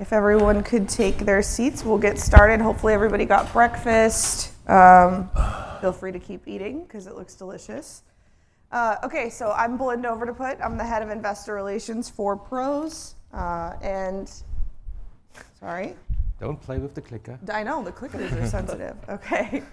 If everyone could take their seats, we'll get started. Hopefully, everybody got breakfast. Feel free to keep eating 'cause it looks delicious. Okay, so I'm Belinda Overdeput. I'm the head of investor relations for PROS. And sorry? Don't play with the clicker. I know, the clickers are sensitive. Okay.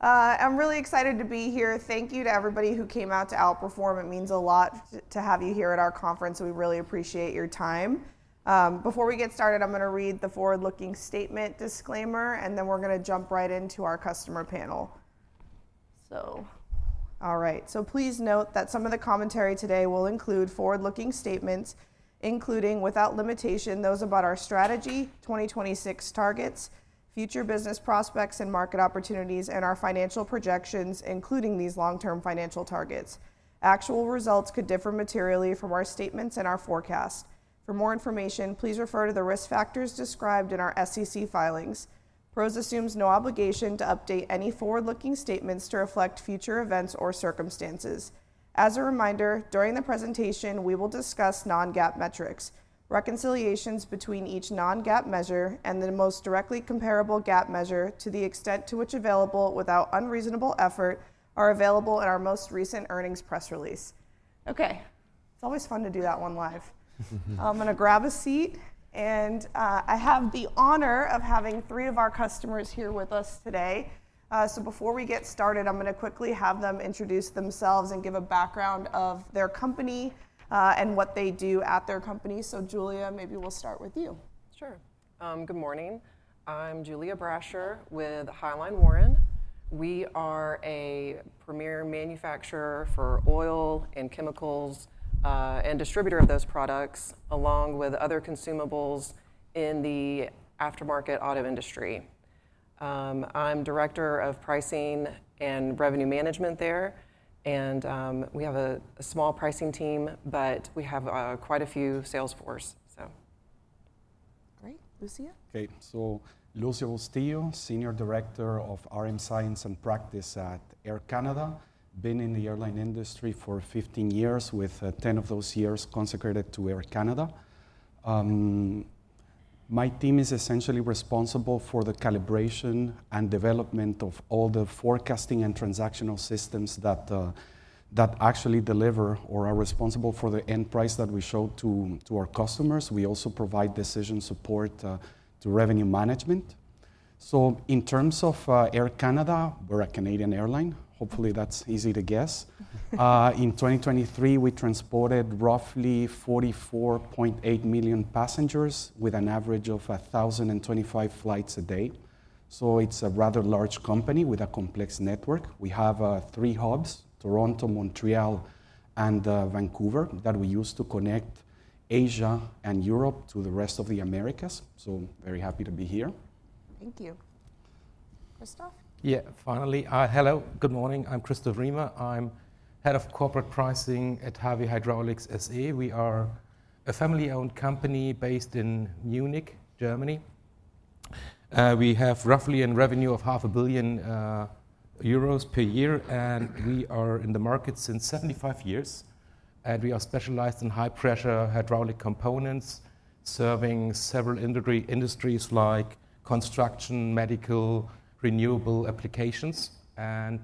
I'm really excited to be here. Thank you to everybody who came out to Outperform. It means a lot to have you here at our conference. We really appreciate your time. Before we get started, I'm gonna read the forward-looking statement disclaimer, and then we're gonna jump right into our customer panel. All right. Please note that some of the commentary today will include forward-looking statements, including, without limitation, those about our strategy, 2026 targets, future business prospects and market opportunities, and our financial projections, including these long-term financial targets. Actual results could differ materially from our statements and our forecast. For more information, please refer to the risk factors described in our SEC filings. PROS assumes no obligation to update any forward-looking statements to reflect future events or circumstances. As a reminder, during the presentation, we will discuss non-GAAP metrics. Reconciliations between each non-GAAP measure and the most directly comparable GAAP measure, to the extent to which available without unreasonable effort, are available in our most recent earnings press release. Okay, it's always fun to do that one live. I'm gonna grab a seat, and I have the honor of having three of our customers here with us today. So before we get started, I'm gonna quickly have them introduce themselves and give a background of their company, and what they do at their company. So Julia, maybe we'll start with you. Sure. Good morning. I'm Julia Brasher with Highline Warren. We are a premier manufacturer for oil and chemicals, and distributor of those products, along with other consumables in the aftermarket auto industry. I'm Director of Pricing and Revenue Management there, and we have a small pricing team, but we have quite a few sales force, so... Great. Lucio? Okay, so Lucio Bustillo, senior director of RM science and practice at Air Canada. Been in the airline industry for 15 years, with 10 of those years consecrated to Air Canada. My team is essentially responsible for the calibration and development of all the forecasting and transactional systems that actually deliver or are responsible for the end price that we show to our customers. We also provide decision support to revenue management. So in terms of Air Canada, we're a Canadian airline. Hopefully, that's easy to guess. In 2023, we transported roughly 44.8 million passengers with an average of 1,025 flights a day, so it's a rather large company with a complex network. We have three hubs: Toronto, Montreal, and Vancouver, that we use to connect Asia and Europe to the rest of the Americas, so very happy to be here. Thank you. Christoph? Yeah. Finally, hello. Good morning. I'm Christoph Riemer. I'm head of corporate pricing at HAWE Hydraulics SE. We are a family-owned company based in Munich, Germany. We have roughly in revenue of 500 million euros per year, and we are in the market since 75 years, and we are specialized in high-pressure hydraulic components, serving several industries like construction, medical, renewable applications. And,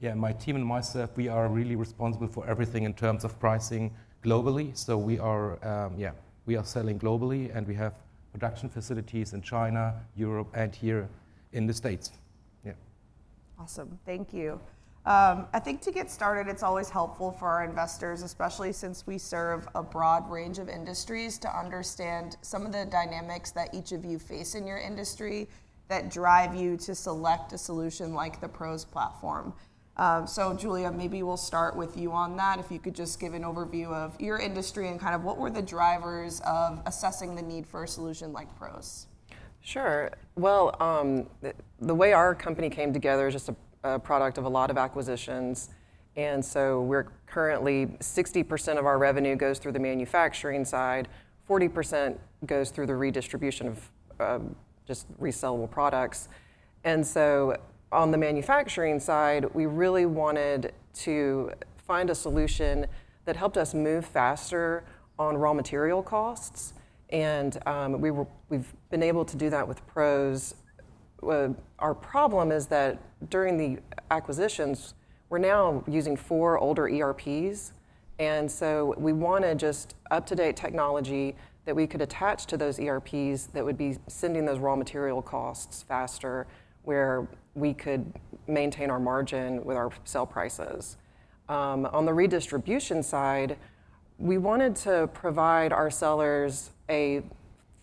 yeah, my team and myself, we are really responsible for everything in terms of pricing globally. So we are, yeah, we are selling globally, and we have production facilities in China, Europe, and here in the States. Yeah. Awesome. Thank you. I think to get started, it's always helpful for our investors, especially since we serve a broad range of industries, to understand some of the dynamics that each of you face in your industry that drive you to select a solution like the PROS platform. So Julia, maybe we'll start with you on that. If you could just give an overview of your industry and kind of what were the drivers of assessing the need for a solution like PROS? Sure. Well, the way our company came together is just a product of a lot of acquisitions, and so we're currently... 60% of our revenue goes through the manufacturing side, 40% goes through the redistribution of just resalable products. And so on the manufacturing side, we really wanted to find a solution that helped us move faster on raw material costs, and we were-- we've been able to do that with PROS. Our problem is that during the acquisitions, we're now using four older ERPs, and so we wanted just up-to-date technology that we could attach to those ERPs that would be sending those raw material costs faster, where we could maintain our margin with our sell prices. On the redistribution side, we wanted to provide our sellers a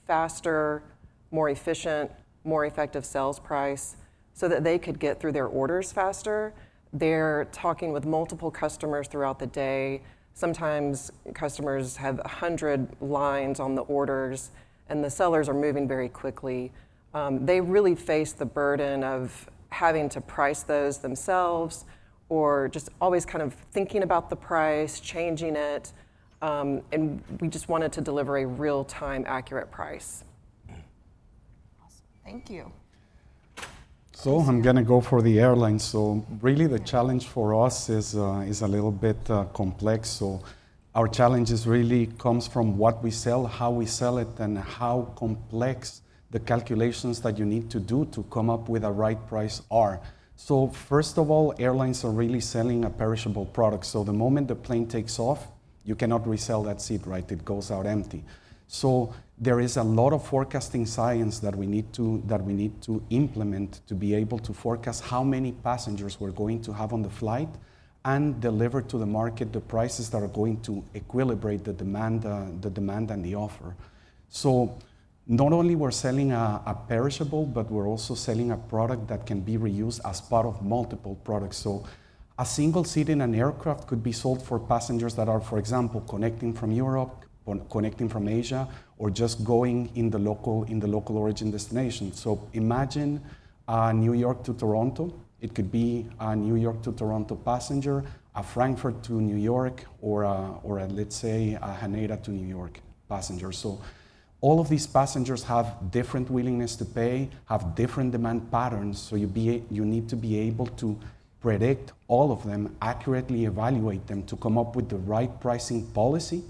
faster, more efficient, more effective sales price so that they could get through their orders faster. They're talking with multiple customers throughout the day. Sometimes customers have 100 lines on the orders, and the sellers are moving very quickly. They really face the burden of having to price those themselves or just always kind of thinking about the price, changing it, and we just wanted to deliver a real-time, accurate price.... Thank you. So I'm gonna go for the airlines. So really the challenge for us is a little bit complex. So our challenge is really comes from what we sell, how we sell it, and how complex the calculations that you need to do to come up with a right price are. So first of all, airlines are really selling a perishable product, so the moment the plane takes off, you cannot resell that seat, right? It goes out empty. So there is a lot of forecasting science that we need to implement to be able to forecast how many passengers we're going to have on the flight and deliver to the market the prices that are going to equilibrate the demand and the offer. So not only we're selling a perishable, but we're also selling a product that can be reused as part of multiple products. So a single seat in an aircraft could be sold for passengers that are, for example, connecting from Europe, or connecting from Asia, or just going in the local, in the local origin destination. So imagine, New York to Toronto. It could be a New York to Toronto passenger, a Frankfurt to New York, or a, or a, let's say, a Haneda to New York passenger. So all of these passengers have different willingness to pay, have different demand patterns, so you need to be able to predict all of them, accurately evaluate them, to come up with the right pricing policy,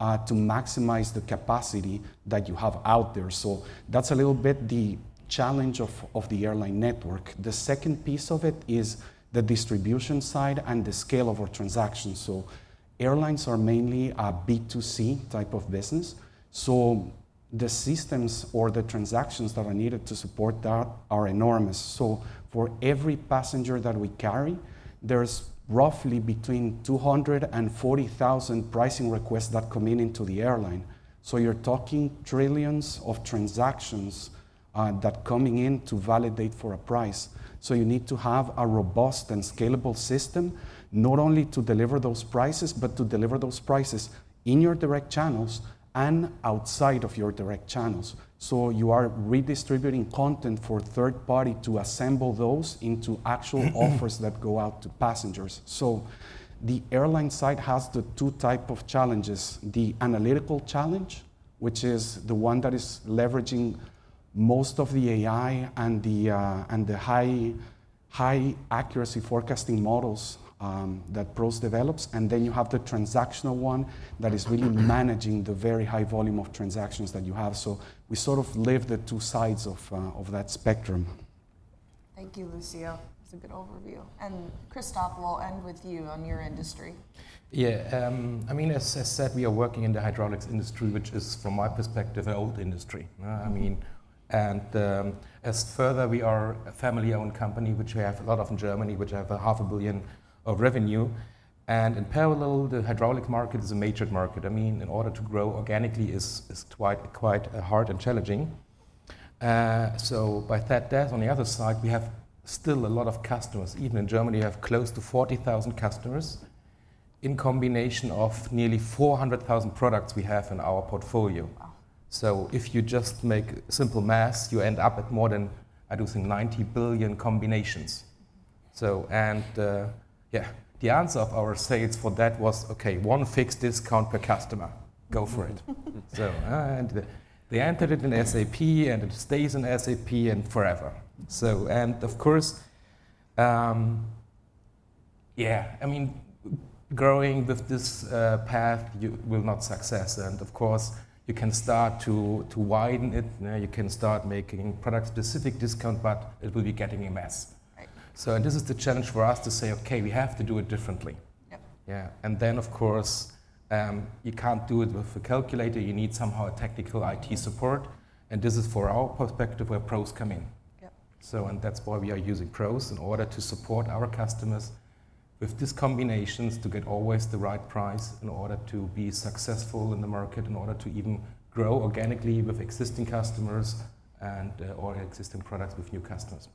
to maximize the capacity that you have out there. So that's a little bit the challenge of the airline network. The second piece of it is the distribution side and the scale of our transactions. So airlines are mainly a B2C type of business, so the systems or the transactions that are needed to support that are enormous. So for every passenger that we carry, there's roughly between 240,000 pricing requests that come in into the airline. So you're talking trillions of transactions that coming in to validate for a price. So you need to have a robust and scalable system, not only to deliver those prices, but to deliver those prices in your direct channels and outside of your direct channels. So you are redistributing content for third party to assemble those into actual offers that go out to passengers. So the airline side has the two type of challenges: the analytical challenge, which is the one that is leveraging most of the AI and the high-accuracy forecasting models that PROS develops, and then you have the transactional one that is really managing the very high volume of transactions that you have. So we sort of live the two sides of that spectrum. Thank you, Lucio. That's a good overview. Christoph, we'll end with you on your industry. Yeah, I mean, as said, we are working in the hydraulics industry, which is, from my perspective, an old industry, I mean. And, as further, we are a family-owned company, which we have a lot of in Germany, which have 500 million of revenue. And in parallel, the hydraulic market is a matured market. I mean, in order to grow organically is quite hard and challenging. So by that, on the other side, we have still a lot of customers. Even in Germany, we have close to 40,000 customers, in combination of nearly 400,000 products we have in our portfolio. Wow! If you just make simple math, you end up with more than, I think, 90 billion combinations. The answer of our sales for that was, "Okay, one fixed discount per customer. Go for it." They entered it in SAP, and it stays in SAP forever. I mean, growing with this path, you will not success, and of course, you can start to widen it, you can start making product-specific discount, but it will be getting a mess. Right. So, this is the challenge for us to say, "Okay, we have to do it differently. Yep. Yeah. And then, of course, you can't do it with a calculator. You need somehow a technical IT support, and this is, for our perspective, where PROS come in. Yep. And that's why we are using PROS, in order to support our customers with these combinations to get always the right price, in order to be successful in the market, in order to even grow organically with existing customers and or existing products with new customers.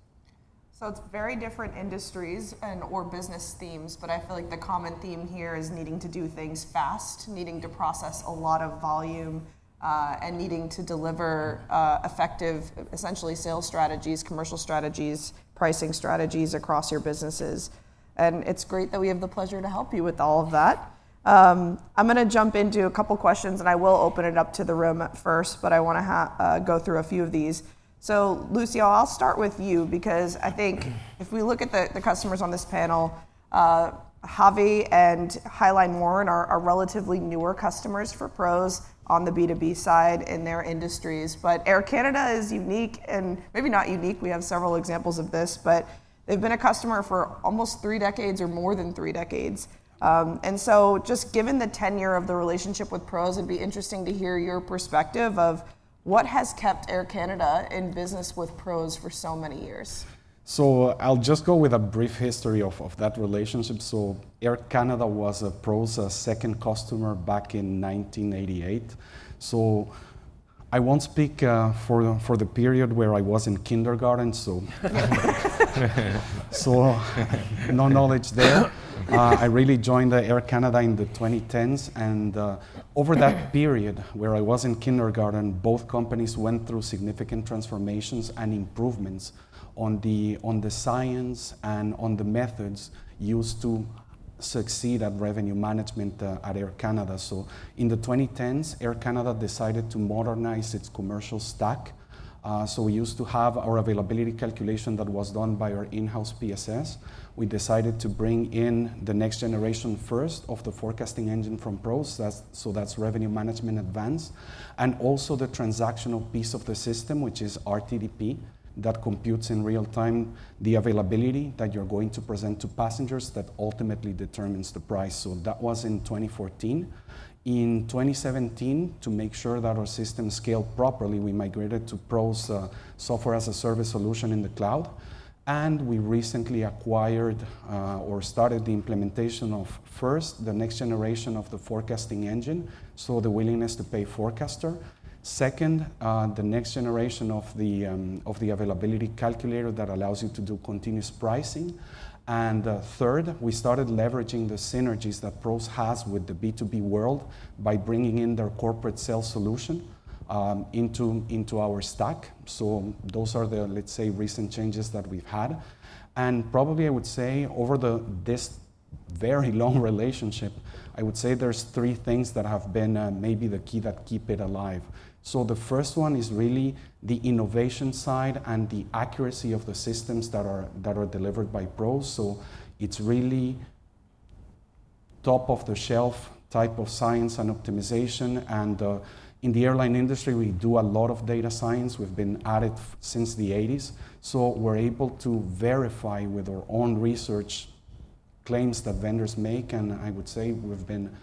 So it's very different industries and/or business themes, but I feel like the common theme here is needing to do things fast, needing to process a lot of volume, and needing to deliver effective, essentially, sales strategies, commercial strategies, pricing strategies across your businesses, and it's great that we have the pleasure to help you with all of that. I'm gonna jump into a couple questions, and I will open it up to the room first, but I wanna go through a few of these. So, Lucio, I'll start with you because I think if we look at the customers on this panel, HAWE and Highline Warren are relatively newer customers for PROS on the B2B side in their industries. But Air Canada is unique and... Maybe not unique, we have several examples of this, but they've been a customer for almost three decades or more than three decades. And so just given the tenure of the relationship with PROS, it'd be interesting to hear your perspective of what has kept Air Canada in business with PROS for so many years. So I'll just go with a brief history of, of that relationship. So Air Canada was PROS' second customer back in 1988. So I won't speak for the, for the period where I was in kindergarten, so no knowledge there. I really joined Air Canada in the 2010s, and over that period where I was in kindergarten, both companies went through significant transformations and improvements on the science and on the methods used to succeed at revenue management at Air Canada. So in the 2010s, Air Canada decided to modernize its commercial stack. So we used to have our availability calculation that was done by our in-house PSS. We decided to bring in the next generation first of the forecasting engine from PROS. So that's Revenue Management Advanced, and also the transactional piece of the system, which is RTDP, that computes in real time the availability that you're going to present to passengers, that ultimately determines the price. So that was in 2014. In 2017, to make sure that our system scaled properly, we migrated to PROS software as a service solution in the cloud, and we recently acquired or started the implementation of, first, the next generation of the forecasting engine, so the Willingness-to-Pay Forecaster. Second, the next generation of the availability calculator that allows you to do continuous pricing. And third, we started leveraging the synergies that PROS has with the B2B world by bringing in their Corporate Sales solution into our stack. So those are the, let's say, recent changes that we've had. And probably I would say over this very long relationship, I would say there's three things that have been, maybe the key that keep it alive. So the first one is really the innovation side and the accuracy of the systems that are delivered by PROS. So it's really top-of-the-shelf type of science and optimization, and, in the airline industry, we do a lot of data science. We've been at it since the eighties, so we're able to verify with our own research claims that vendors make, and I would say we've been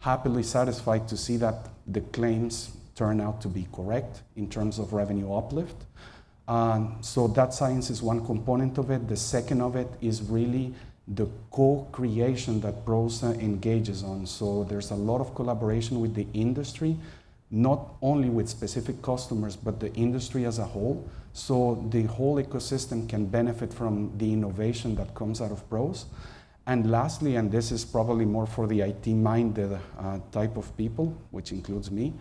happily satisfied to see that the claims turn out to be correct in terms of revenue uplift. And so that science is one component of it. The second of it is really the co-creation that PROS engages on. So there's a lot of collaboration with the industry, not only with specific customers, but the industry as a whole. So the whole ecosystem can benefit from the innovation that comes out of PROS. And lastly, and this is probably more for the IT-minded type of people, which includes me,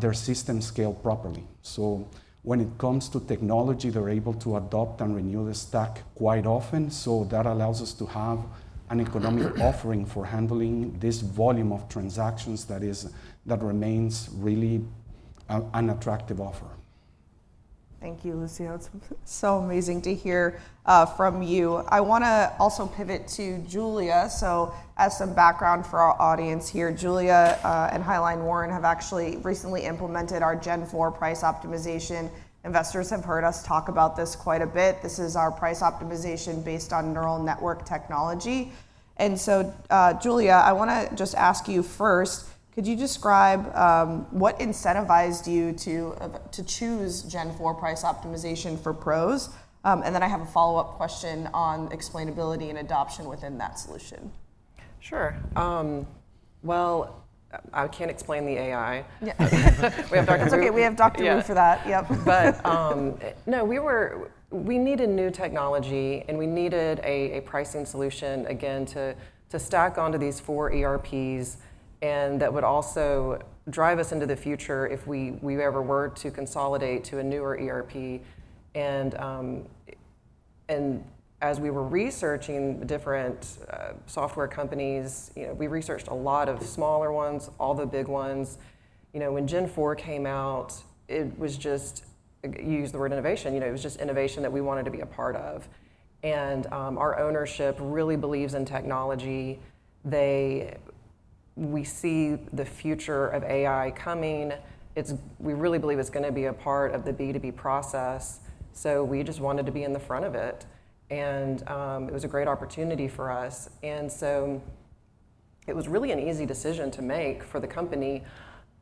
their system scale properly. So when it comes to technology, they're able to adopt and renew the stack quite often. So that allows us to have an economic offering for handling this volume of transactions that is... that remains really, an attractive offer. Thank you, Lucio. It's so amazing to hear from you. I wanna also pivot to Julia. So as some background for our audience here, Julia and Highline Warren have actually recently implemented our Gen IV price optimization. Investors have heard us talk about this quite a bit. This is our price optimization based on neural network technology. And so, Julia, I wanna just ask you first, could you describe what incentivized you to to choose Gen IV price optimization for PROS? And then I have a follow-up question on explainability and adoption within that solution. Sure. Well, I can't explain the AI. Yeah. We have Dr.- It's okay, we have Dr. Wu for that. Yeah. Yep. But, no, we needed new technology, and we needed a pricing solution again, to stack onto these four ERPs, and that would also drive us into the future if we ever were to consolidate to a newer ERP. And as we were researching different software companies, you know, we researched a lot of smaller ones, all the big ones. You know, when Gen IV came out, it was just, you use the word innovation, you know, it was just innovation that we wanted to be a part of. And, our ownership really believes in technology. We see the future of AI coming. We really believe it's gonna be a part of the B2B process, so we just wanted to be in the front of it, and it was a great opportunity for us. And so it was really an easy decision to make for the company,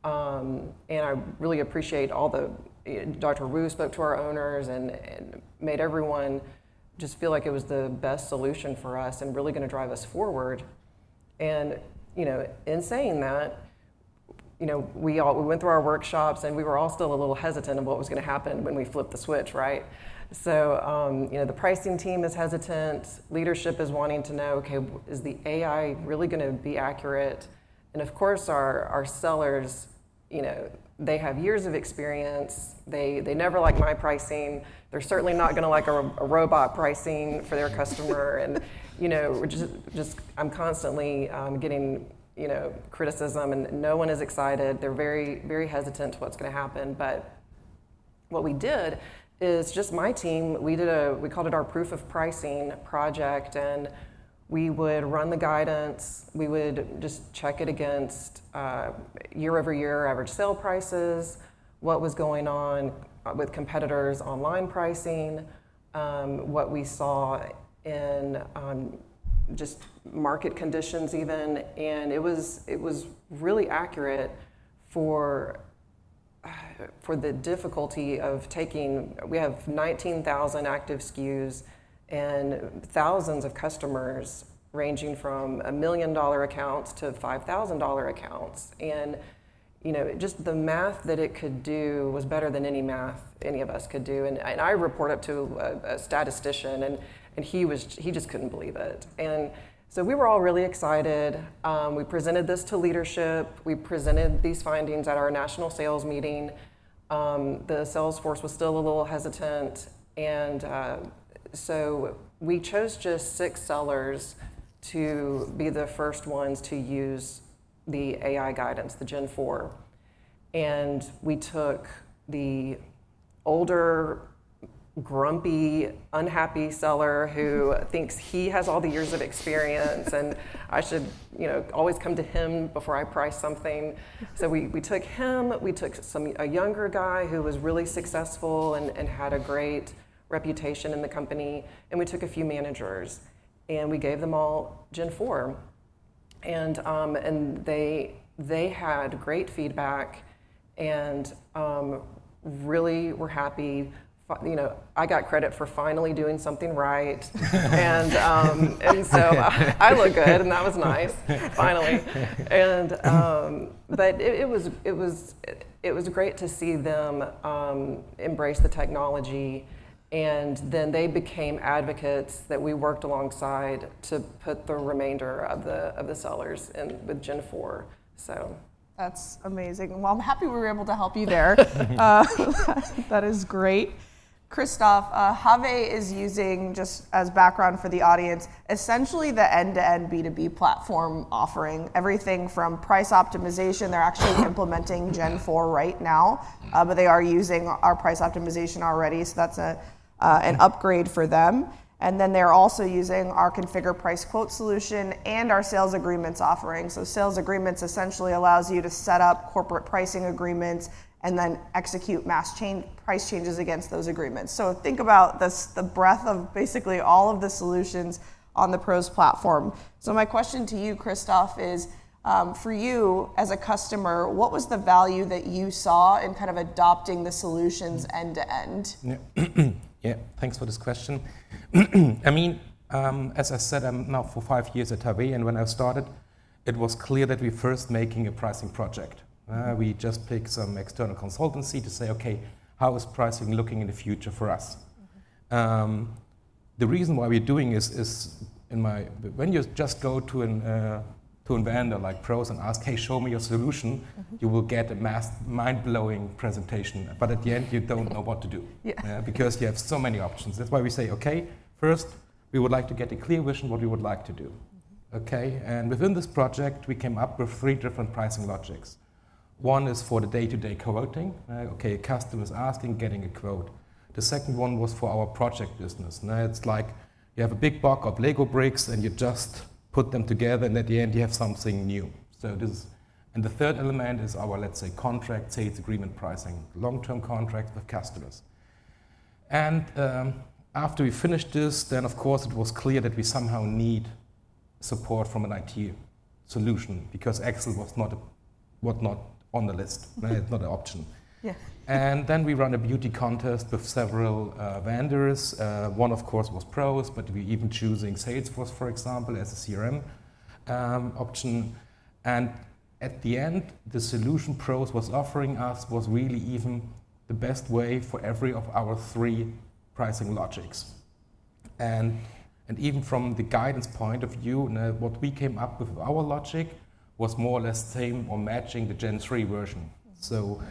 and I really appreciate all the... Dr. Wu spoke to our owners and made everyone just feel like it was the best solution for us and really gonna drive us forward. And, you know, in saying that, you know, we went through our workshops, and we were all still a little hesitant of what was gonna happen when we flipped the switch, right? So, you know, the pricing team is hesitant. Leadership is wanting to know, okay, is the AI really gonna be accurate? And of course, our sellers, you know, they have years of experience. They never like my pricing. They're certainly not gonna like a robot pricing for their customer. And, you know, just... I'm constantly getting, you know, criticism, and no one is excited. They're very, very hesitant to what's gonna happen. But what we did is, just my team, we did a, we called it our proof of pricing project, and we would run the guidance. We would just check it against year-over-year average sale prices, what was going on with competitors' online pricing, what we saw in just market conditions even, and it was really accurate for the difficulty of taking... We have 19,000 active SKUs and thousands of customers, ranging from $1 million-dollar accounts to $5,000-dollar accounts. And, you know, just the math that it could do was better than any math any of us could do, and I report up to a statistician, and he was—He just couldn't believe it. We were all really excited. We presented this to leadership. We presented these findings at our national sales meeting. The sales force was still a little hesitant, and so we chose just six sellers to be the first ones to use the AI guidance, the Gen IV. We took the older, grumpy, unhappy seller who thinks he has all the years of experience, and I should, you know, always come to him before I price something. So we, we took him, we took some, a younger guy who was really successful and, and had a great reputation in the company, and we took a few managers, and we gave them all Gen IV. And they, they had great feedback and really were happy. You know, I got credit for finally doing something right. I looked good, and that was nice, finally. But it was great to see them embrace the technology, and then they became advocates that we worked alongside to put the remainder of the sellers in with Gen IV, so. That's amazing. Well, I'm happy we were able to help you there. That is great. Christoph, HAWE is using, just as background for the audience, essentially the end-to-end B2B platform, offering everything from price optimization. They're actually implementing Gen IV right now, but they are using our price optimization already, so that's an upgrade for them. And then they're also using our Configure Price Quote solution and our Sales Agreements offering. So Sales Agreements essentially allows you to set up corporate pricing agreements and then execute mass chain-price changes against those agreements. So think about the breadth of basically all of the solutions on the PROS platform. So my question to you, Christoph, is, for you, as a customer, what was the value that you saw in kind of adopting the solutions end to end? Yeah. Yeah, thanks for this question. I mean, as I said, I'm now for five years at HAWE, and when I started, it was clear that we first making a pricing project. We just picked some external consultancy to say, "Okay, how is pricing looking in the future for us? Mm-hmm. The reason why we're doing this is, in my... When you just go to a vendor like PROS and ask, "Hey, show me your solution- Mm-hmm... you will get a mass mind-blowing presentation, but at the end, you don't know what to do- Yeah... because you have so many options. That's why we say, "Okay, first, we would like to get a clear vision what we would like to do. Mm-hmm. Okay, and within this project, we came up with three different pricing logics. One is for the day-to-day quoting, okay, a customer is asking, getting a quote. The second one was for our project business, and it's like you have a big box of Lego bricks, and you just put them together, and at the end you have something new. So it is... And the third element is our, let's say, contract sales agreement pricing, long-term contract with customers. And, after we finished this, then, of course, it was clear that we somehow need support from an IT solution because Excel was not on the list, right? Mm-hmm. Not an option. Yeah. And then we run a beauty contest with several vendors. One, of course, was PROS, but we even choosing Salesforce, for example, as a CRM option. And at the end, the solution PROS was offering us was really even the best way for every of our three pricing logics. And even from the guidance point of view, what we came up with our logic was more or less same or matching the Gen III version. Mm-hmm. So,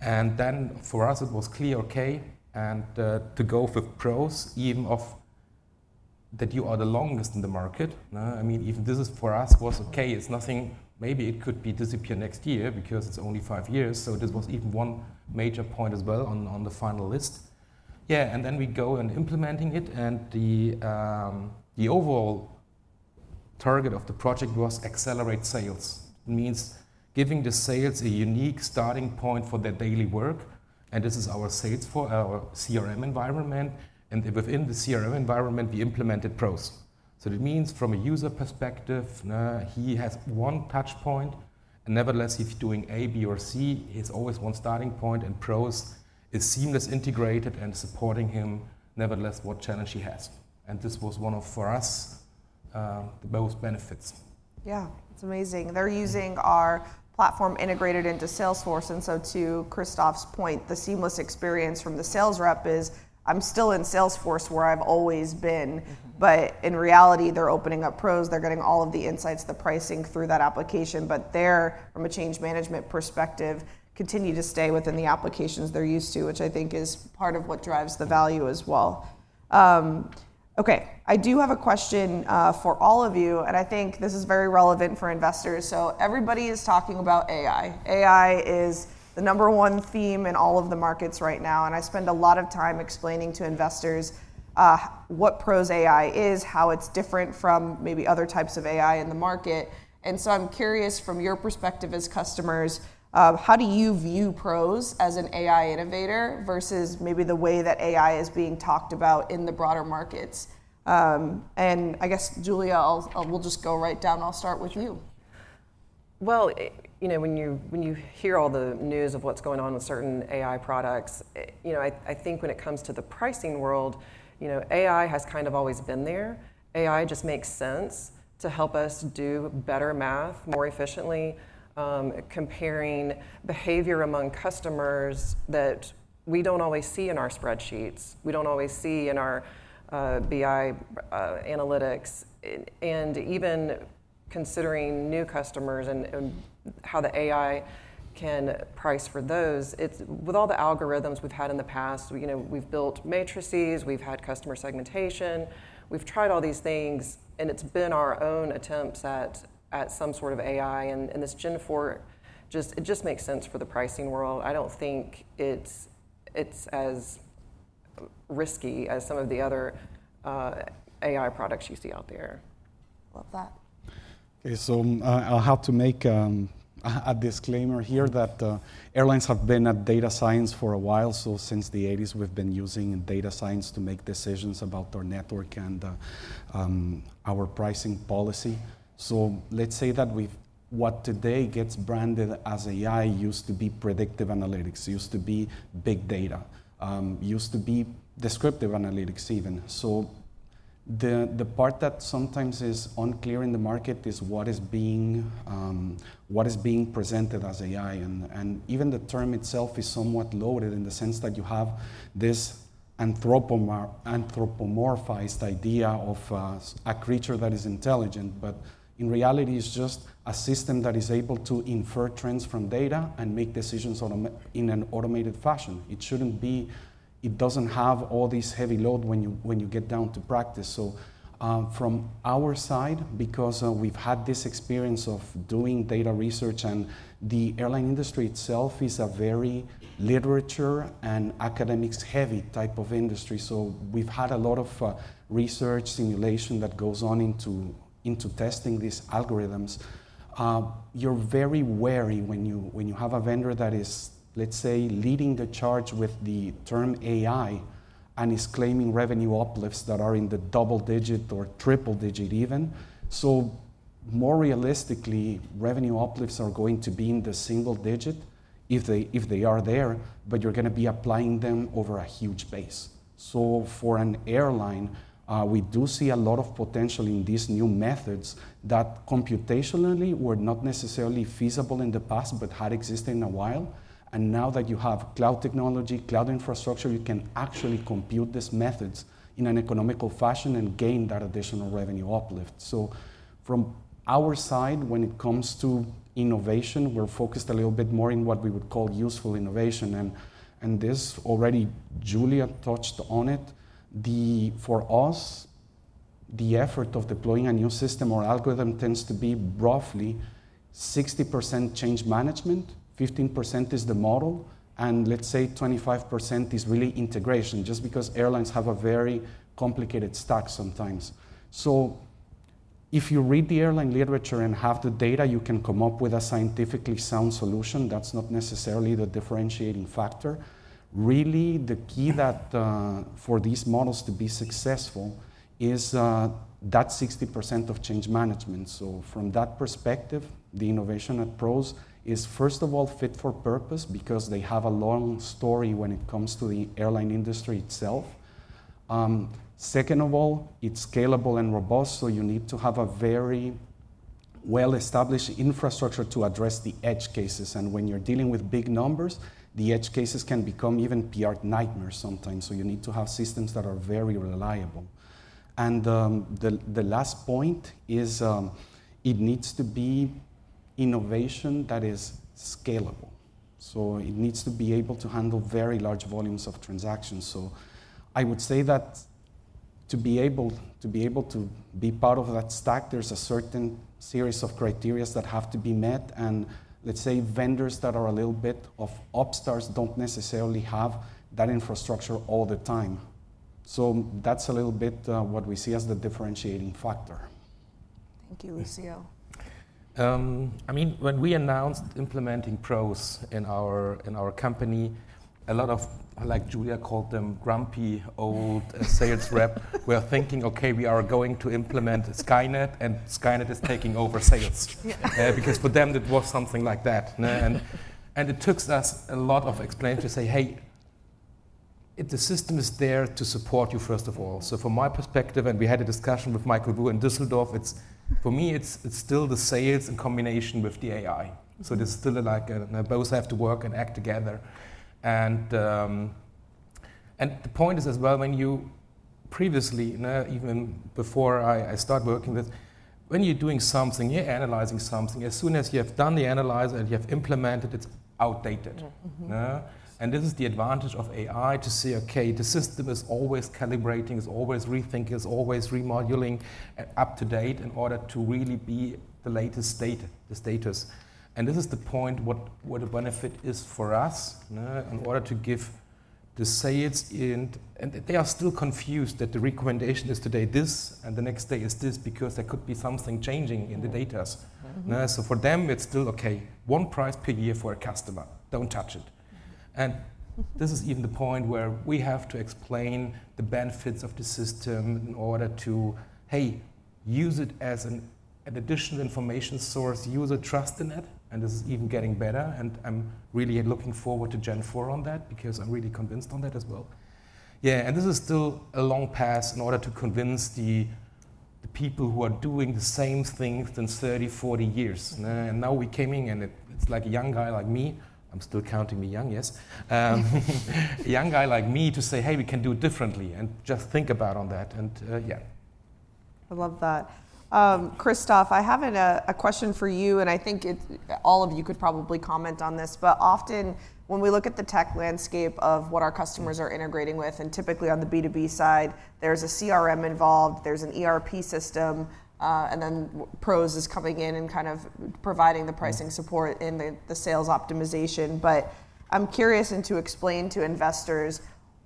and then for us, it was clear, okay, and, to go with PROS, even of that you are the longest in the market, I mean, even this is for us was okay, it's nothing. Maybe it could be disappear next year because it's only five years, so this was even one major point as well on the final list. Yeah, and then we go and implementing it, and the, the overall target of the project was accelerate sales. It means giving the sales a unique starting point for their daily work, and this is our sales for our CRM environment, and within the CRM environment, we implemented PROS. So it means, from a user perspective, he has one touch point, and nevertheless, if doing A, B, or C, he has always one starting point, and PROS is seamless, integrated, and supporting him, nevertheless, what challenge he has, and this was one of, for us, the most benefits. Yeah, it's amazing. They're using our platform integrated into Salesforce, and so to Christoph's point, the seamless experience from the sales rep is, "I'm still in Salesforce, where I've always been. Mm-hmm. But in reality, they're opening up PROS. They're getting all of the insights, the pricing through that application, but they're, from a change management perspective, continue to stay within the applications they're used to, which I think is part of what drives the value as well. Okay, I do have a question for all of you, and I think this is very relevant for investors. So everybody is talking about AI. AI is the number one theme in all of the markets right now, and I spend a lot of time explaining to investors what PROS AI is, how it's different from maybe other types of AI in the market. And so I'm curious, from your perspective as customers, how do you view PROS as an AI innovator versus maybe the way that AI is being talked about in the broader markets? I guess, Julia, I'll—we'll just go right down. I'll start with you. Well, you know, when you hear all the news of what's going on with certain AI products, you know, I think when it comes to the pricing world, you know, AI has kind of always been there. AI just makes sense to help us do better math more efficiently, comparing behavior among customers that we don't always see in our spreadsheets, we don't always see in our BI analytics, and even considering new customers and how the AI can price for those, it's with all the algorithms we've had in the past, you know, we've built matrices, we've had customer segmentation, we've tried all these things, and it's been our own attempts at some sort of AI. And this Gen IV just, it just makes sense for the pricing world. I don't think it's as risky as some of the other AI products you see out there. Love that. Okay, so I'll have to make a disclaimer here that airlines have been at data science for a while. So since the 1980s, we've been using data science to make decisions about our network and our pricing policy. So let's say that we've... what today gets branded as AI used to be predictive analytics, used to be big data, used to be descriptive analytics even. So the part that sometimes is unclear in the market is what is being presented as AI, and even the term itself is somewhat loaded in the sense that you have this anthropomorphized idea of a creature that is intelligent. But in reality, it's just a system that is able to infer trends from data and make decisions in an automated fashion. It shouldn't be. It doesn't have all this heavy load when you, when you get down to practice. So, from our side, because we've had this experience of doing data research, and the airline industry itself is a very literature and academics-heavy type of industry, so we've had a lot of research simulation that goes on into, into testing these algorithms. You're very wary when you, when you have a vendor that is, let's say, leading the charge with the term AI and is claiming revenue uplifts that are in the double digit or triple digit even. So more realistically, revenue uplifts are going to be in the single digit if they, if they are there, but you're going to be applying them over a huge base. So for an airline, we do see a lot of potential in these new methods that computationally were not necessarily feasible in the past, but had existed in a while. And now that you have cloud technology, cloud infrastructure, you can actually compute these methods in an economical fashion and gain that additional revenue uplift. So from our side, when it comes to innovation, we're focused a little bit more in what we would call useful innovation, and this already Julia touched on it. For us, the effort of deploying a new system or algorithm tends to be roughly 60% change management, 15% is the model, and let's say 25% is really integration, just because airlines have a very complicated stack sometimes. So if you read the airline literature and have the data, you can come up with a scientifically sound solution. That's not necessarily the differentiating factor. Really, the key that for these models to be successful is that 60% of change management. So from that perspective, the innovation at PROS is, first of all, fit for purpose because they have a long story when it comes to the airline industry itself. Second of all, it's scalable and robust, so you need to have a very well-established infrastructure to address the edge cases. And when you're dealing with big numbers, the edge cases can become even PR nightmares sometimes, so you need to have systems that are very reliable. And the last point is, it needs to be innovation that is scalable, so it needs to be able to handle very large volumes of transactions. So I would say that to be able to be part of that stack, there's a certain series of criteria that have to be met, and let's say vendors that are a little bit of upstarts don't necessarily have that infrastructure all the time. So that's a little bit what we see as the differentiating factor. Thank you, Lucio. I mean, when we announced implementing PROS in our, in our company, a lot of, like Julia, called them grumpy, old sales rep. We are thinking, "Okay, we are going to implement Skynet, and Skynet is taking over sales. Yeah. Because for them, it was something like that, nè? And it takes us a lot of explaining to say: "Hey, the system is there to support you, first of all." So from my perspective, and we had a discussion with Michael Wu in Düsseldorf, it's... for me, it's, it's still the sales in combination with the AI. Mm-hmm. So there's still like a, they both have to work and act together. And, and the point is as well, when you previously, even before I start working with, when you're doing something, you're analyzing something, as soon as you have done the analysis and you have implemented, it's outdated. Mm-hmm. Nè? And this is the advantage of AI to say, "Okay, the system is always calibrating, is always rethinking, is always remodeling, and up to date in order to really be the latest state, the status." And this is the point, what, what the benefit is for us, nè, in order to give the sales in... And they are still confused that the recommendation is today this, and the next day is this, because there could be something changing in the data. Mm-hmm. So for them, it's still, "Okay, one price per year for a customer, don't touch it. Mm-hmm. This is even the point where we have to explain the benefits of the system in order to, "Hey, use it as an additional information source. Use and trust in it, and this is even getting better." And I'm really looking forward to Gen IV on that because I'm really convinced on that as well. Yeah, and this is still a long path in order to convince the people who are doing the same thing for 30, 40 years. And now we came in, and it's like a young guy like me. I'm still counting me young, yes. A young guy like me to say, "Hey, we can do it differently, and just think about that," and yeah.... I love that. Christoph, I have a question for you, and I think all of you could probably comment on this. But often, when we look at the tech landscape of what our customers are integrating with, and typically on the B2B side, there's a CRM involved, there's an ERP system, and then PROS is coming in and kind of providing the pricing support- Mm-hmm. and the sales optimization. But I'm curious, and to explain to investors,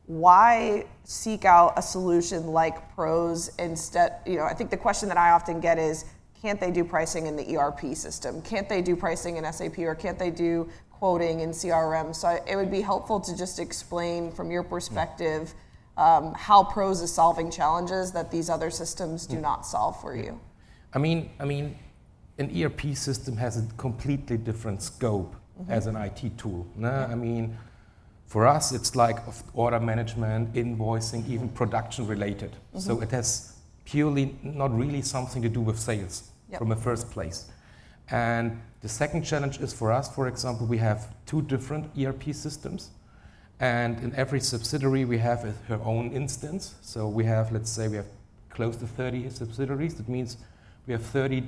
why seek out a solution like PROS instead? You know, I think the question that I often get is: Can't they do pricing in the ERP system? Can't they do pricing in SAP, or can't they do quoting in CRM? Mm-hmm. It would be helpful to just explain from your perspective- Mm... how PROS is solving challenges that these other systems do not solve for you. I mean, I mean, an ERP system has a completely different scope- Mm-hmm... as an IT tool. I mean, for us, it's like of order management, invoicing, even production related. Mm-hmm. It has purely not really something to do with sales- Yep... from the first place. The second challenge is, for us, for example, we have two different ERP systems, and in every subsidiary, we have our own instance. So we have, let's say, we have close to 30 subsidiaries. That means we have 30...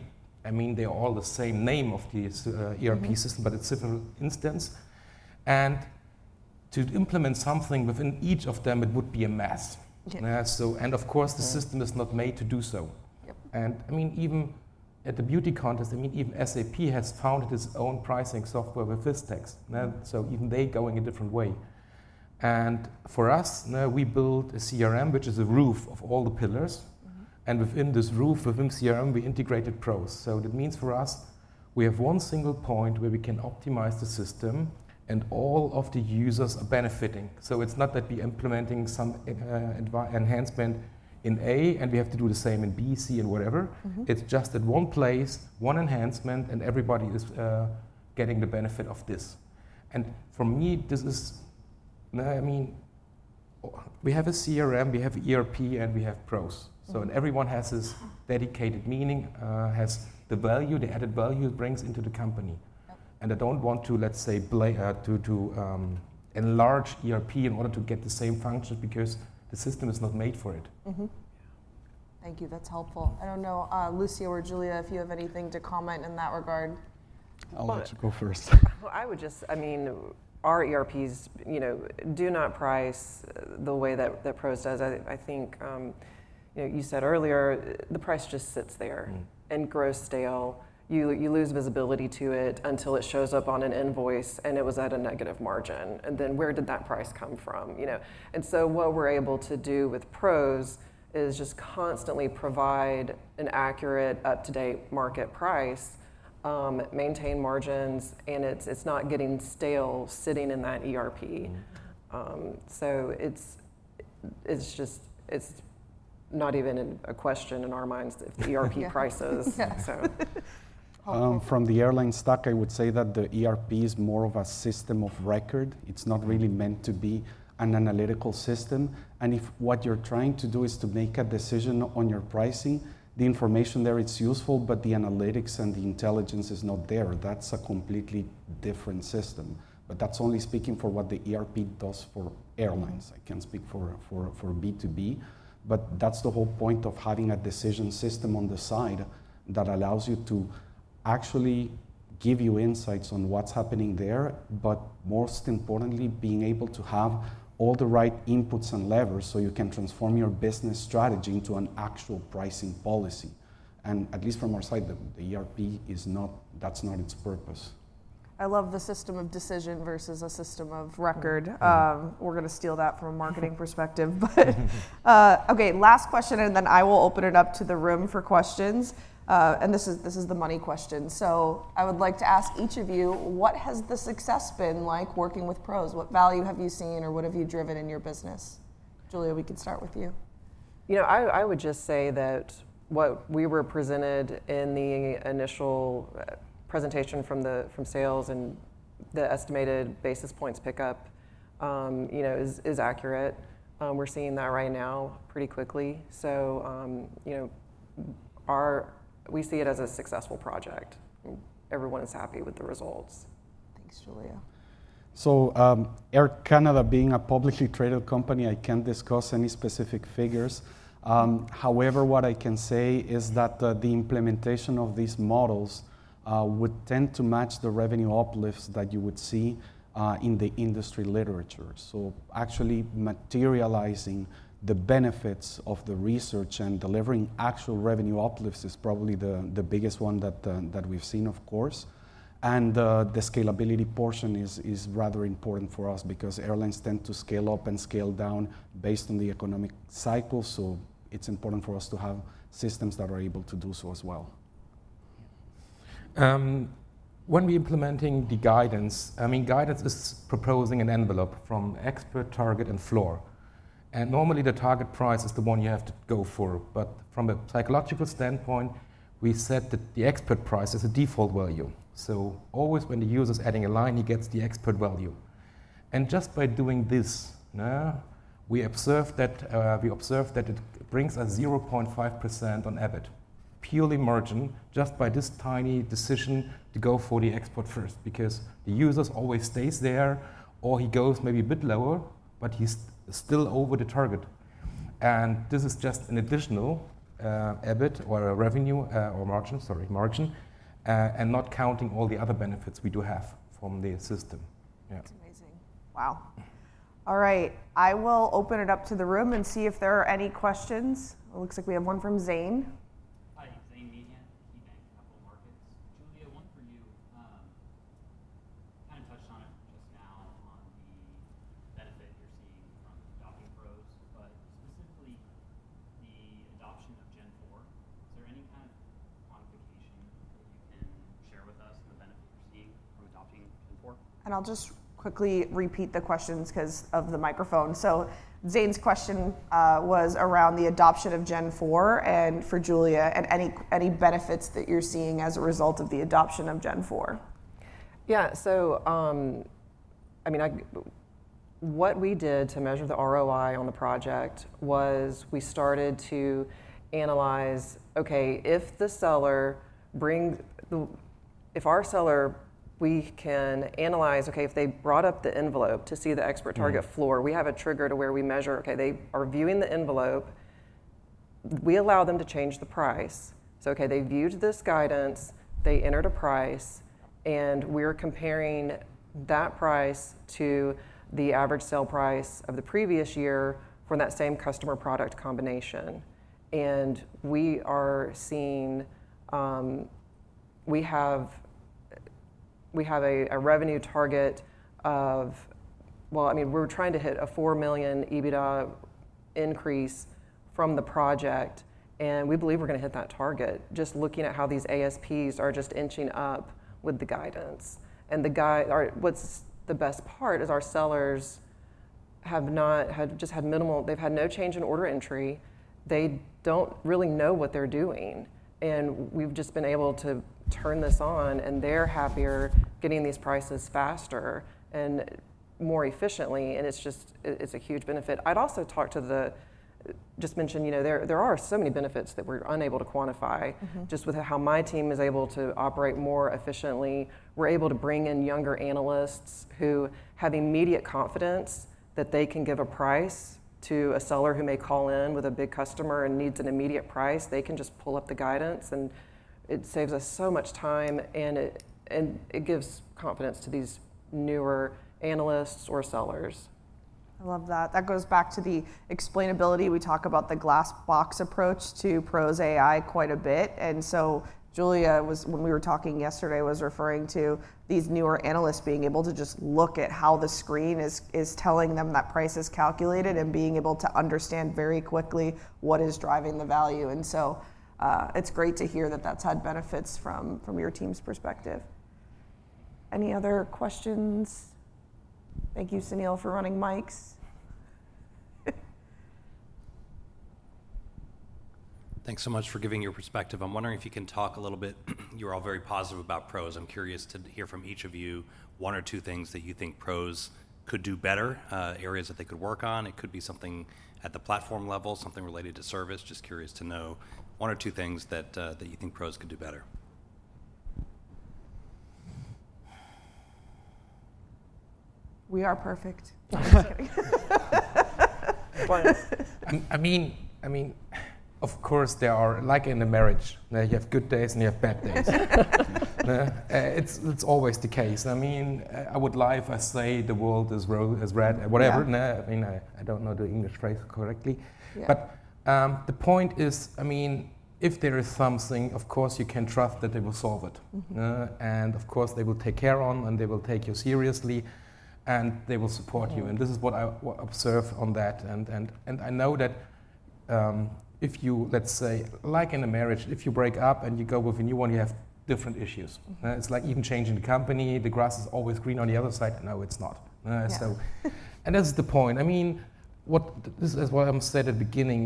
I mean, they're all the same name of these ERP system- Mm-hmm... but it's different instance. To implement something within each of them, it would be a mess. Yeah. So, and of course, the system is not made to do so. Yep. And I mean, even at the beauty contest, I mean, even SAP has founded its own pricing software with Vistex. Now, so even they going a different way. And for us, now we build a CRM, which is a roof of all the pillars. Mm-hmm. Within this roof, within CRM, we integrated PROS. So that means for us, we have one single point where we can optimize the system, and all of the users are benefiting. So it's not that we're implementing some advanced enhancement in A, and we have to do the same in B, C, and whatever. Mm-hmm. It's just at one place, one enhancement, and everybody is getting the benefit of this. For me, this is, I mean, we have a CRM, we have ERP, and we have PROS. Mm-hmm. So, and everyone has his dedicated meaning, has the value, the added value it brings into the company. Yep. I don't want to, let's say, enlarge ERP in order to get the same function because the system is not made for it. Mm-hmm. Yeah. Thank you. That's helpful. I don't know, Lucio or Julia, if you have anything to comment in that regard. I'll let you go first. Well, I would just... I mean, our ERPs, you know, do not price the way that PROS does. I think, you know, you said earlier, the price just sits there- Mm-hmm... and grows stale. You lose visibility to it until it shows up on an invoice, and it was at a negative margin. And then where did that price come from, you know? And so what we're able to do with PROS is just constantly provide an accurate, up-to-date market price, maintain margins, and it's not getting stale sitting in that ERP. Mm-hmm. So it's just not even a question in our minds if the ERP prices. Yeah. So. Awesome. From the airline stock, I would say that the ERP is more of a system of record. Mm-hmm. It's not really meant to be an analytical system, and if what you're trying to do is to make a decision on your pricing, the information there, it's useful, but the analytics and the intelligence is not there. That's a completely different system, but that's only speaking for what the ERP does for airlines. I can't speak for B2B, but that's the whole point of having a decision system on the side that allows you to actually give you insights on what's happening there, but most importantly, being able to have all the right inputs and levers, so you can transform your business strategy into an actual pricing policy. And at least from our side, the ERP is not. That's not its purpose. I love the system of decision versus a system of record. Mm-hmm. Mm-hmm. We're gonna steal that from a marketing perspective, but okay, last question, and then I will open it up to the room for questions. And this is the money question. So I would like to ask each of you, what has the success been like working with PROS? What value have you seen, or what have you driven in your business? Julia, we can start with you. You know, I would just say that what we were presented in the initial presentation from the, from sales and the estimated basis points pickup, you know, is accurate. We're seeing that right now pretty quickly. So, you know, we see it as a successful project, and everyone is happy with the results. Thanks, Julia. So, Air Canada, being a publicly traded company, I can't discuss any specific figures. However, what I can say is that, the implementation of these models, would tend to match the revenue uplifts that you would see, in the industry literature. So actually materializing the benefits of the research and delivering actual revenue uplifts is probably the, the biggest one that, that we've seen, of course. And, the scalability portion is, is rather important for us because airlines tend to scale up and scale down based on the economic cycle. So it's important for us to have systems that are able to do so as well. When we're implementing the guidance, I mean, guidance is proposing an envelope from expert, target, and floor. And normally, the target price is the one you have to go for, but from a psychological standpoint, we've said that the expert price is a default value. So always when the user's adding a line, he gets the expert value. And just by doing this, we observed that it brings a 0.5% on EBITDA.... purely margin just by this tiny decision to go for the expert first, because the users always stays there, or he goes maybe a bit lower, but he's still over the target. And this is just an additional, EBIT or a revenue, or margin, sorry, margin, and not counting all the other benefits we do have from the system. Yeah. That's amazing. Wow! All right, I will open it up to the room and see if there are any questions. It looks like we have one from Zane. Hi, Zane Meehan, KeyBanc Capital Markets. Julia, one for you. You kinda touched on it just now on the benefit you're seeing from adopting PROS, but specifically, the adoption of Gen IV, is there any kind of quantification that you can share with us the benefit you're seeing from adopting Gen IV? I'll just quickly repeat the questions 'cause of the microphone. Zane's question was around the adoption of Gen IV, and for Julia, and any benefits that you're seeing as a result of the adoption of Gen IV. Yeah. So, I mean, what we did to measure the ROI on the project was we started to analyze, okay, if the seller brings the—if our seller, we can analyze, okay, if they brought up the envelope to see the expert target- Mm... floor, we have a trigger to where we measure, okay, they are viewing the envelope. We allow them to change the price. So okay, they viewed this guidance, they entered a price, and we're comparing that price to the average sale price of the previous year from that same customer product combination. And we are seeing, we have a revenue target of... Well, I mean, we're trying to hit a $4 million EBITDA increase from the project, and we believe we're gonna hit that target. Just looking at how these ASPs are just inching up with the guidance. And the guide. Or what's the best part is our sellers have not, have just had minimal. They've had no change in order entry. They don't really know what they're doing, and we've just been able to turn this on, and they're happier getting these prices faster and more efficiently, and it's just, it's a huge benefit. I'd also talked to the-- Just mention, you know, there are so many benefits that we're unable to quantify. Mm-hmm. Just with how my team is able to operate more efficiently. We're able to bring in younger analysts who have immediate confidence that they can give a price to a seller who may call in with a big customer and needs an immediate price. They can just pull up the guidance, and it saves us so much time, and it gives confidence to these newer analysts or sellers. I love that. That goes back to the explainability. We talk about the glass box approach to PROS AI quite a bit. And so Julia was, when we were talking yesterday, referring to these newer analysts being able to just look at how the screen is telling them that price is calculated and being able to understand very quickly what is driving the value. And so, it's great to hear that that's had benefits from your team's perspective. Any other questions? Thank you, Sunil, for running mics. Thanks so much for giving your perspective. I'm wondering if you can talk a little bit, you're all very positive about PROS. I'm curious to hear from each of you one or two things that you think PROS could do better, areas that they could work on. It could be something at the platform level, something related to service. Just curious to know one or two things that you think PROS could do better. We are perfect. Just kidding. I mean, of course, there are, like in a marriage, you have good days, and you have bad days. It's always the case. I mean, I would lie if I say the world is red, whatever. Yeah. I mean, I don't know the English phrase correctly. Yeah. The point is, I mean, if there is something, of course you can trust that they will solve it. Mm-hmm. Of course, they will take care on, and they will take you seriously, and they will support you. Yeah. This is what I observe on that. And I know that, if you, let's say, like in a marriage, if you break up and you go with a new one, you have different issues. Mm-hmm. It's like even changing the company, the grass is always greener on the other side. No, it's not. Yeah. So, that's the point. I mean, this is what I said at the beginning.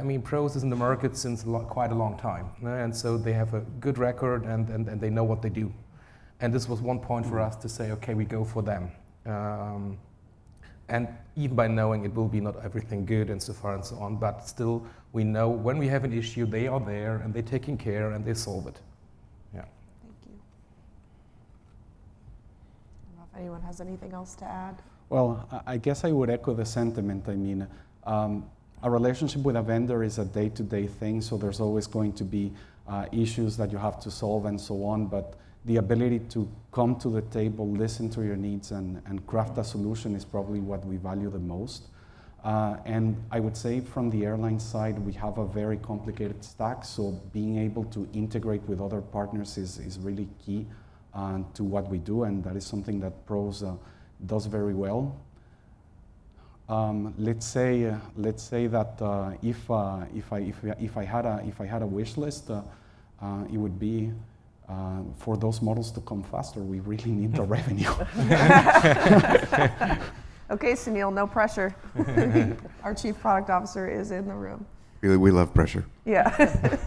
I mean, PROS is in the market since a lot, quite a long time. So they have a good record, and they know what they do. This was one point- Mm... for us to say, "Okay, we go for them." And even by knowing it will be not everything good and so far and so on, but still, we know when we have an issue, they are there, and they're taking care, and they solve it. Yeah. Thank you. I don't know if anyone has anything else to add. Well, I guess I would echo the sentiment. I mean, a relationship with a vendor is a day-to-day thing, so there's always going to be issues that you have to solve and so on. But the ability to come to the table, listen to your needs, and craft a solution is probably what we value the most. And I would say from the airline side, we have a very complicated stack, so being able to integrate with other partners is really key to what we do, and that is something that PROS does very well. Let's say that if I had a wish list, it would be for those models to come faster. We really need the revenue. Okay, Sunil, no pressure. Our Chief Product Officer is in the room. We love pressure. Yeah.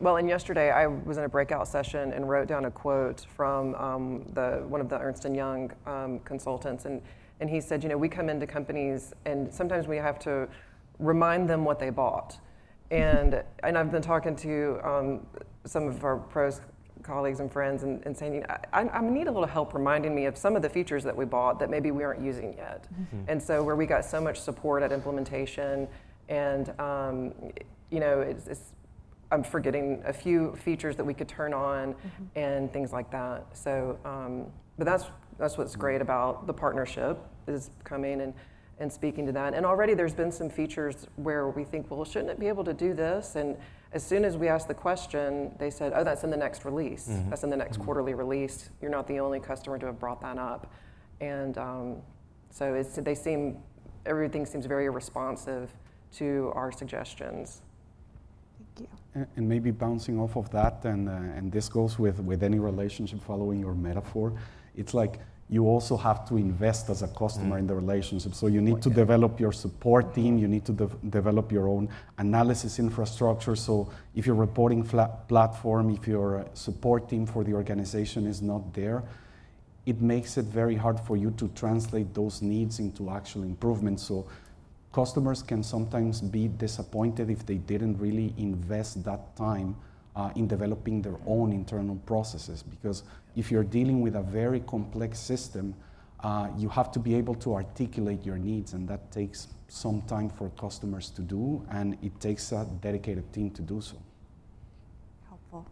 Well, and yesterday I was in a breakout session and wrote down a quote from one of the Ernst & Young consultants, and he said, "You know, we come into companies, and sometimes we have to remind them what they bought." And I've been talking to some of our PROS colleagues and friends and saying, "I'm gonna need a little help reminding me of some of the features that we bought that maybe we aren't using yet. Mm-hmm. And so where we got so much support at implementation, and, you know, I'm forgetting a few features that we could turn on- Mm-hmm and things like that. So, but that's, that's what's great about the partnership, is coming in and, and speaking to that. And already there's been some features where we think, "Well, shouldn't it be able to do this?" And as soon as we ask the question, they said, "Oh, that's in the next release. Mm-hmm. That's in the next quarterly release. You're not the only customer to have brought that up." Everything seems very responsive to our suggestions. Thank you. And maybe bouncing off of that, and this goes with any relationship, following your metaphor, it's like you also have to invest as a customer. Mm in the relationship. Oh, yeah. So you need to develop your support team, you need to develop your own analysis infrastructure. So if your reporting platform, if your support team for the organization is not there, it makes it very hard for you to translate those needs into actual improvements. So customers can sometimes be disappointed if they didn't really invest that time in developing their own internal processes. Because if you're dealing with a very complex system, you have to be able to articulate your needs, and that takes some time for customers to do, and it takes a dedicated team to do so. Helpful.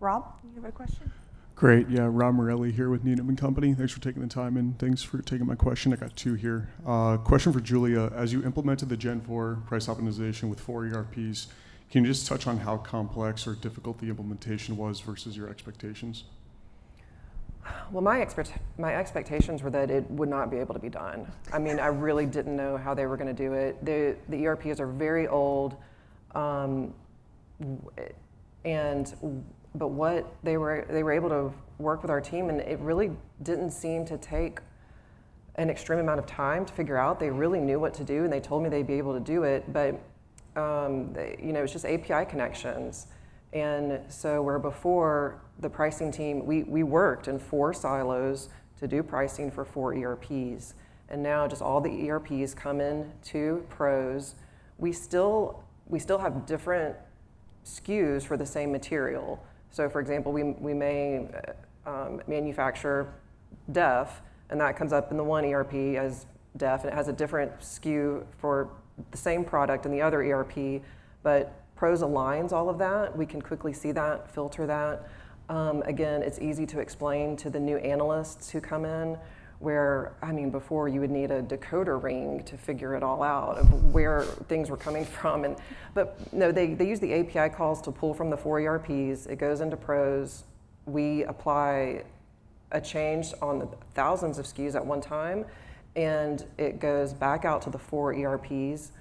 Rob, you have a question? Great, yeah. Rob Morelli here with Needham & Company. Thanks for taking the time, and thanks for taking my question. I got two here. Question for Julia: as you implemented the Gen IV price optimization with 4 ERPs, can you just touch on how complex or difficult the implementation was versus your expectations? Well, my expectations were that it would not be able to be done. I mean, I really didn't know how they were gonna do it. The ERPs are very old, and but what they were, they were able to work with our team, and it really didn't seem to take an extreme amount of time to figure out. They really knew what to do, and they told me they'd be able to do it. But, they, you know, it's just API connections. And so where before the pricing team, we worked in four silos to do pricing for four ERPs, and now just all the ERPs come in to PROS. We still have different SKUs for the same material. So, for example, we may manufacture DEF, and that comes up in the one ERP as DEF, and it has a different SKU for the same product in the other ERP. But PROS aligns all of that. We can quickly see that, filter that. Again, it's easy to explain to the new analysts who come in, where, I mean, before you would need a decoder ring to figure it all out of where things were coming from. But no, they use the API calls to pull from the four ERPs. It goes into PROS. We apply a change on the thousands of SKUs at one time, and it goes back out to the four ERPs.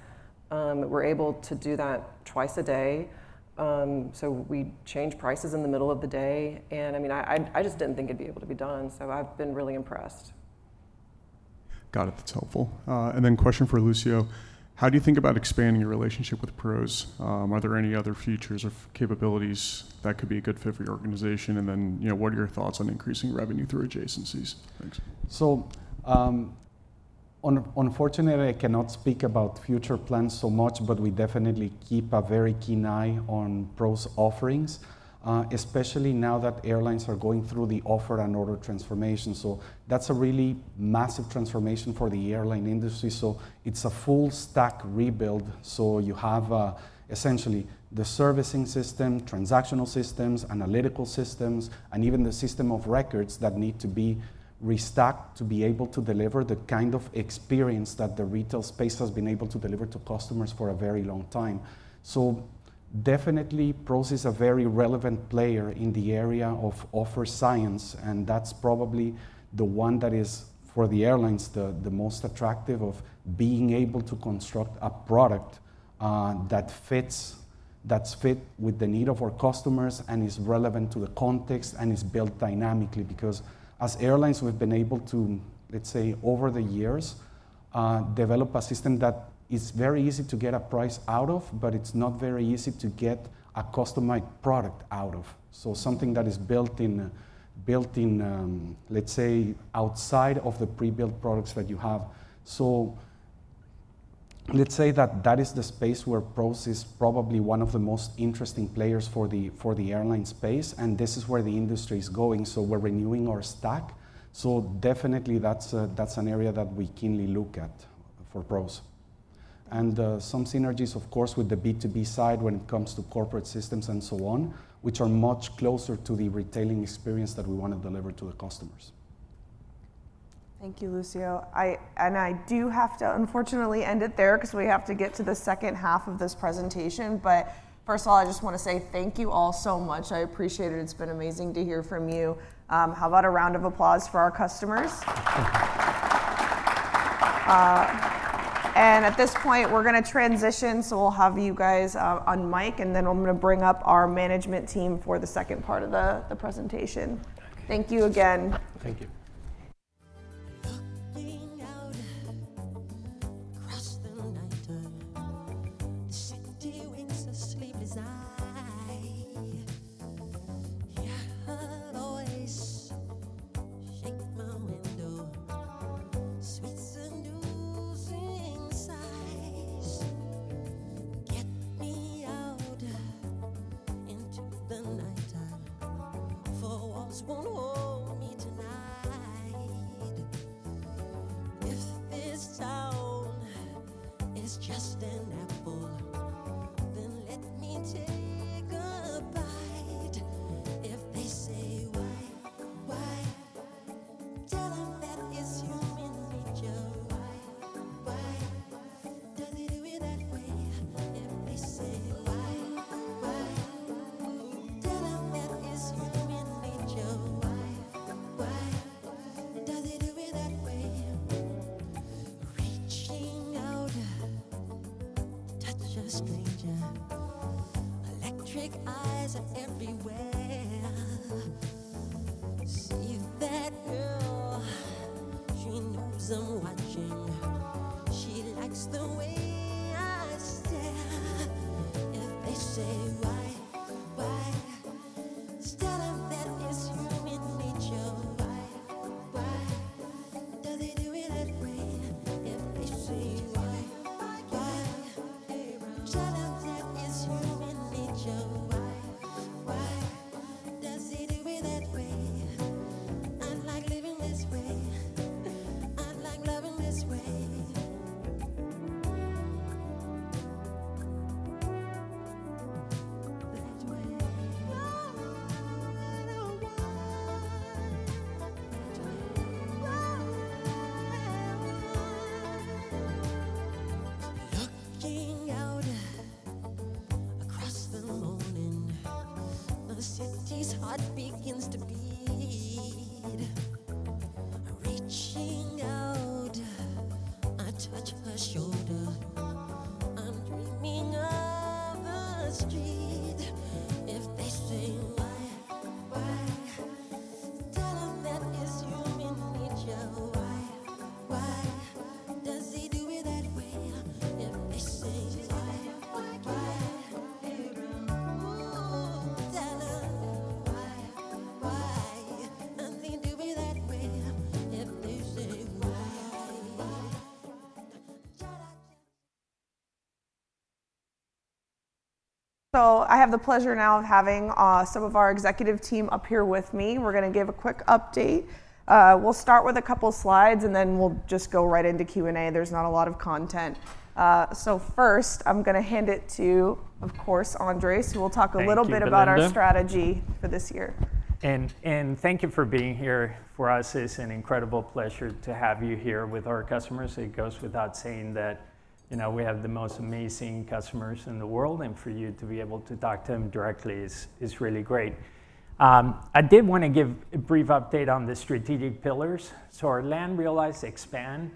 We're able to do that twice a day. So we change prices in the middle of the day, and, I mean, I just didn't think it'd be able to be done, so I've been really impressed. Got it. That's helpful. And then, question for Lucio: How do you think about expanding your relationship with PROS? Are there any other features or capabilities that could be a good fit for your organization? And then, you know, what are your thoughts on increasing revenue through adjacencies? Thanks. So, unfortunately, I cannot speak about future plans so much, but we definitely keep a very keen eye on PROS offerings, especially now that airlines are going through the offer and order transformation. So that's a really massive transformation for the airline industry. So it's a full stack rebuild, so you have, essentially the servicing system, transactional systems, analytical systems, and even the system of records that need to be restacked to be able to deliver the kind of experience that the retail space has been able to deliver to customers for a very long time. So definitely, PROS is a very relevant player in the area of offer science, and that's probably the one that is, for the airlines, the most attractive of being able to construct a product that fits that fit with the need of our customers and is relevant to the context and is built dynamically. Because as airlines, we've been able to, let's say, over the years, develop a system that is very easy to get a price out of, but it's not very easy to get a customized product out of. So something that is built in, let's say, outside of the pre-built products that you have. So let's say that that is the space where PROS is probably one of the most interesting players for the airline space, and this is where the industry is going, so we're renewing our stack. Definitely, that's an area that we keenly look at for PROS. Some synergies, of course, with the B2B side when it comes to corporate systems and so on, which are much closer to the retailing experience that we want to deliver to the customers. Thank you, Lucio. And I do have to unfortunately end it there 'cause we have to get to the second half of this presentation. But first of all, I just want to say thank you all so much. I appreciate it. It's been amazing to hear from you. How about a round of applause for our customers? And at this point, we're gonna transition, so we'll have you guys on mic, and then I'm gonna bring up our management team for the second part of the presentation. Okay. Thank you again. Thank you. I have the pleasure now of having some of our executive team up here with me. We're gonna give a quick update. We'll start with a couple slides, and then we'll just go right into Q&A. There's not a lot of content. First, I'm gonna hand it to, of course, Andres, so we'll talk a little bit- Thank you, Belinda.... about our strategy for this year. And thank you for being here. For us, it's an incredible pleasure to have you here with our customers. It goes without saying that, you know, we have the most amazing customers in the world, and for you to be able to talk to them directly is really great. I did want to give a brief update on the strategic pillars. Our land, realize, expand,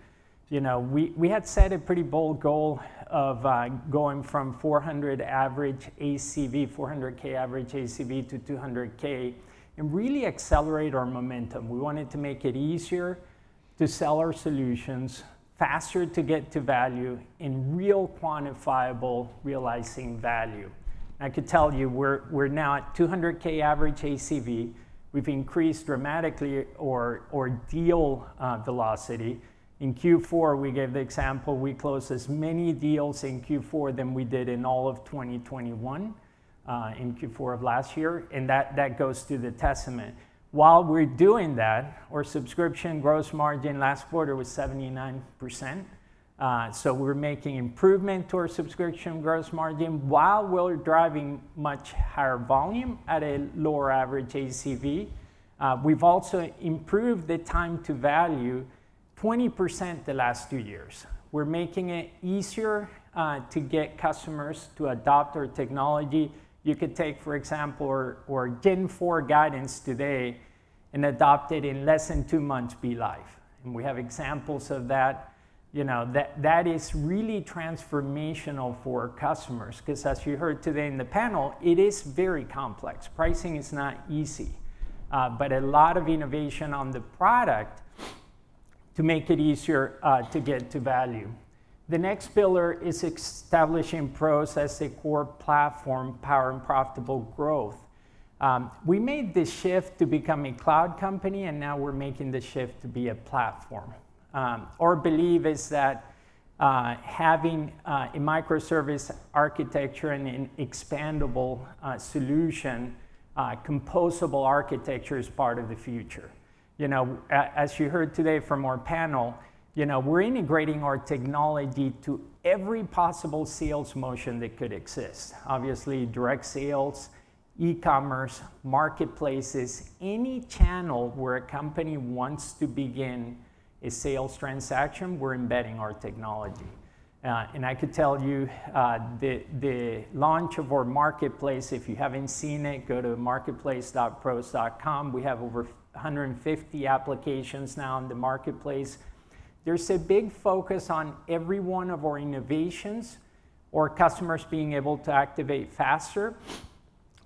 you know, we had set a pretty bold goal of going from $400 average ACV, $400,000 average ACV to $200,000 and really accelerate our momentum. We wanted to make it easier to sell our solutions, faster to get to value, and real quantifiable, realizing value. I could tell you, we're now at $200,000 average ACV. We've increased dramatically our deal velocity. In Q4, we gave the example, we closed as many deals in Q4 than we did in all of 2021, in Q4 of last year, and that, that goes to the testament. While we're doing that, our subscription gross margin last quarter was 79%. So we're making improvement to our subscription gross margin while we're driving much higher volume at a lower average ACV. We've also improved the time to value 20% the last two years. We're making it easier, to get customers to adopt our technology. You could take, for example, our, our Gen IV guidance today and adopt it in less than 2 months be live. And we have examples of that. You know, that, that is really transformational for customers 'cause as you heard today in the panel, it is very complex. Pricing is not easy, but a lot of innovation on the product to make it easier, to get to value. The next pillar is establishing PROS as a core platform, power and profitable growth. We made the shift to become a cloud company, and now we're making the shift to be a platform. Our belief is that, having a microservice architecture and an expandable solution, composable architecture is part of the future. You know, as you heard today from our panel, you know, we're integrating our technology to every possible sales motion that could exist. Obviously, direct sales, e-commerce, marketplaces, any channel where a company wants to begin a sales transaction, we're embedding our technology. And I could tell you, the launch of our marketplace, if you haven't seen it, go to marketplace.pros.com. We have over 150 applications now in the marketplace. There's a big focus on every one of our innovations, our customers being able to activate faster,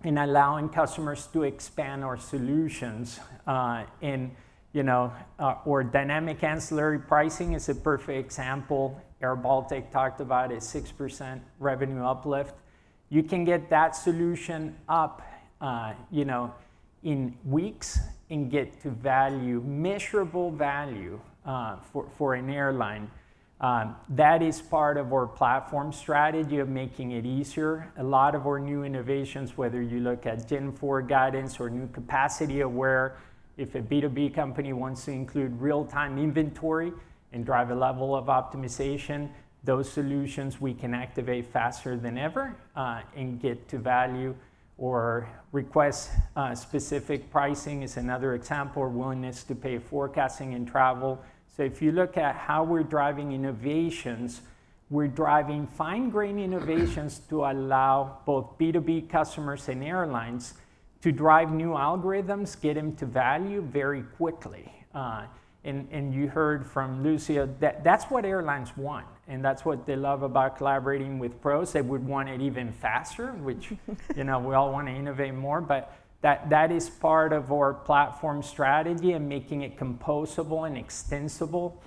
and allowing customers to expand our solutions. And, you know, our dynamic ancillary pricing is a perfect example. airBaltic talked about a 6% revenue uplift.... You can get that solution up, you know, in weeks and get to value, measurable value, for an airline. That is part of our platform strategy of making it easier. A lot of our new innovations, whether you look at Gen IV guidance or new capacity aware, if a B2B company wants to include real-time inventory and drive a level of optimization, those solutions we can activate faster than ever, and get to value. Or request specific pricing is another example, or willingness to pay forecasting and travel. So if you look at how we're driving innovations, we're driving fine-grain innovations to allow both B2B customers and airlines to drive new algorithms, get them to value very quickly. And, and you heard from Lucio, that that's what airlines want, and that's what they love about collaborating with PROS. They would want it even faster, which you know, we all want to innovate more, but that is part of our platform strategy, and making it composable and extensible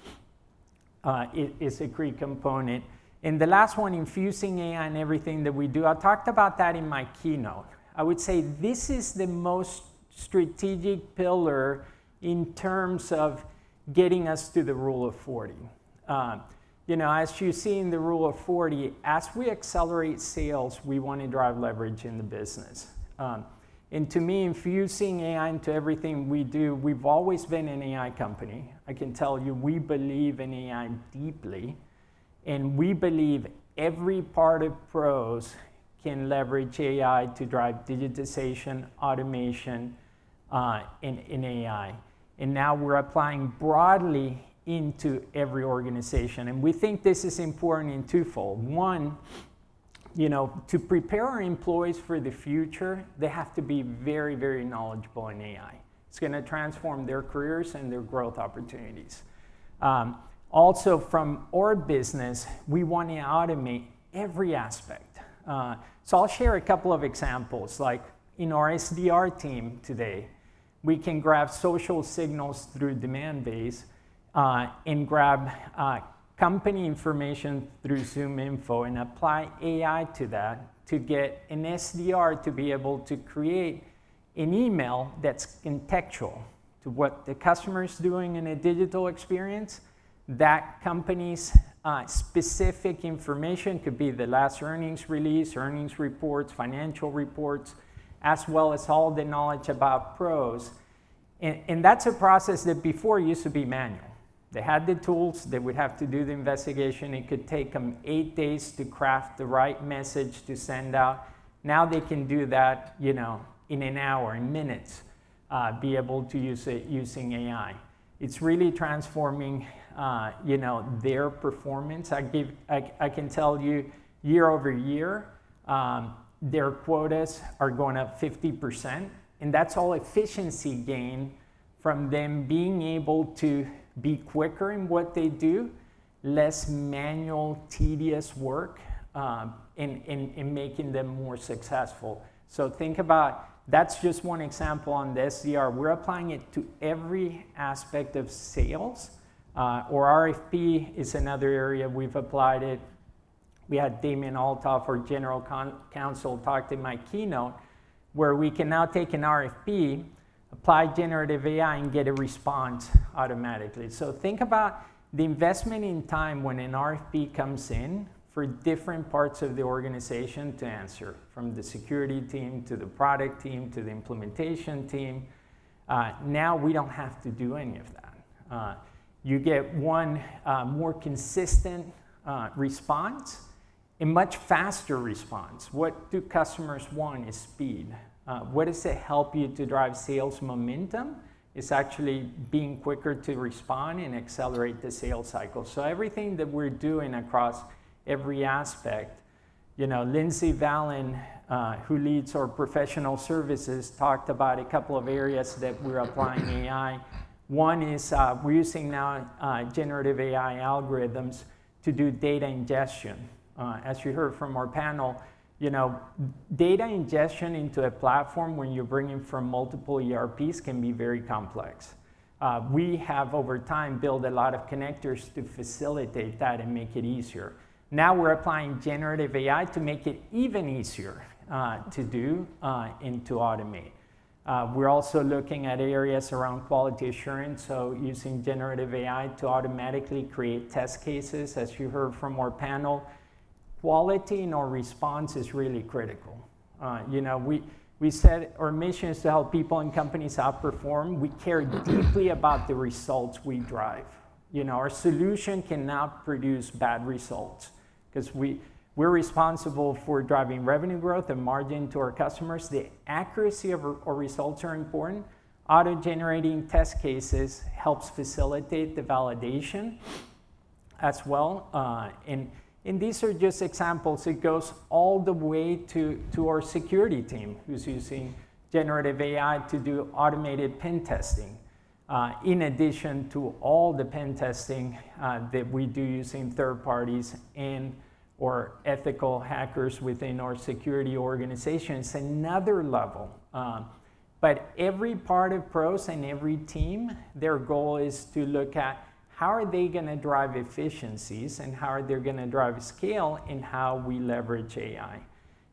is a key component. And the last one, infusing AI in everything that we do. I talked about that in my keynote. I would say this is the most strategic pillar in terms of getting us to the Rule of 40. You know, as you've seen the Rule of 40, as we accelerate sales, we want to drive leverage in the business. To me, infusing AI into everything we do, we've always been an AI company. I can tell you, we believe in AI deeply, and we believe every part of PROS can leverage AI to drive digitization, automation in AI. Now we're applying broadly into every organization, and we think this is important in twofold. One, you know, to prepare our employees for the future, they have to be very, very knowledgeable in AI. It's gonna transform their careers and their growth opportunities. Also from our business, we want to automate every aspect. So I'll share a couple of examples, like in our SDR team today, we can grab social signals through Demandbase, and grab company information through ZoomInfo and apply AI to that to get an SDR to be able to create an email that's contextual to what the customer is doing in a digital experience. That company's specific information could be the last earnings release, earnings reports, financial reports, as well as all the knowledge about PROS. And that's a process that before used to be manual. They had the tools. They would have to do the investigation. It could take them eight days to craft the right message to send out. Now they can do that, you know, in an hour, in minutes, be able to use it using AI. It's really transforming, you know, their performance. I give... I can tell you, year-over-year, their quotas are going up 50%, and that's all efficiency gain from them being able to be quicker in what they do, less manual, tedious work, and making them more successful. So think about, that's just one example on the SDR. We're applying it to every aspect of sales, or RFP is another area we've applied it. We had Damian Olthoff, our General Counsel, talk in my keynote, where we can now take an RFP, apply generative AI, and get a response automatically. So think about the investment in time when an RFP comes in for different parts of the organization to answer, from the security team to the product team, to the implementation team. Now, we don't have to do any of that. You get one more consistent response, a much faster response. What do customers want? Is speed. What does it help you to drive sales momentum? It's actually being quicker to respond and accelerate the sales cycle. So everything that we're doing across every aspect, you know, Lindsay Vallen, who leads our professional services, talked about a couple of areas that we're applying AI. One is, we're using now generative AI algorithms to do data ingestion. As you heard from our panel, you know, data ingestion into a platform when you bring in from multiple ERPs can be very complex. We have over time built a lot of connectors to facilitate that and make it easier. Now, we're applying generative AI to make it even easier to do and to automate. We're also looking at areas around quality assurance, so using generative AI to automatically create test cases, as you heard from our panel. Quality in our response is really critical. You know, we said our mission is to help people and companies outperform. We care deeply about the results we drive. You know, our solution cannot produce bad results 'cause we're responsible for driving revenue growth and margin to our customers. The accuracy of our results are important. Auto-generating test cases helps facilitate the validation, as well. These are just examples. It goes all the way to our security team, who's using generative AI to do automated pen testing, in addition to all the pen testing that we do using third parties and/or ethical hackers within our security organization. It's another level. But every part of PROS and every team, their goal is to look at how are they gonna drive efficiencies, and how are they gonna drive scale in how we leverage AI?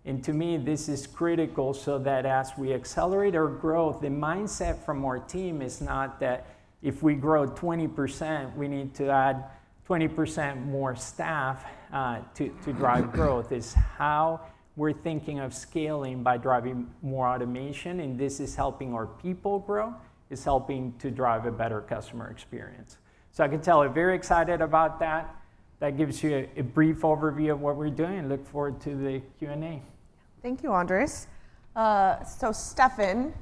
And to me, this is critical so that as we accelerate our growth, the mindset from our team is not that if we grow 20%, we need to add 20% more staff to drive growth. It's how we're thinking of scaling by driving more automation, and this is helping our people grow. It's helping to drive a better customer experience. So I can tell you, very excited about that. That gives you a brief overview of what we're doing, and look forward to the Q&A. Thank you, Andres. So, Stefan,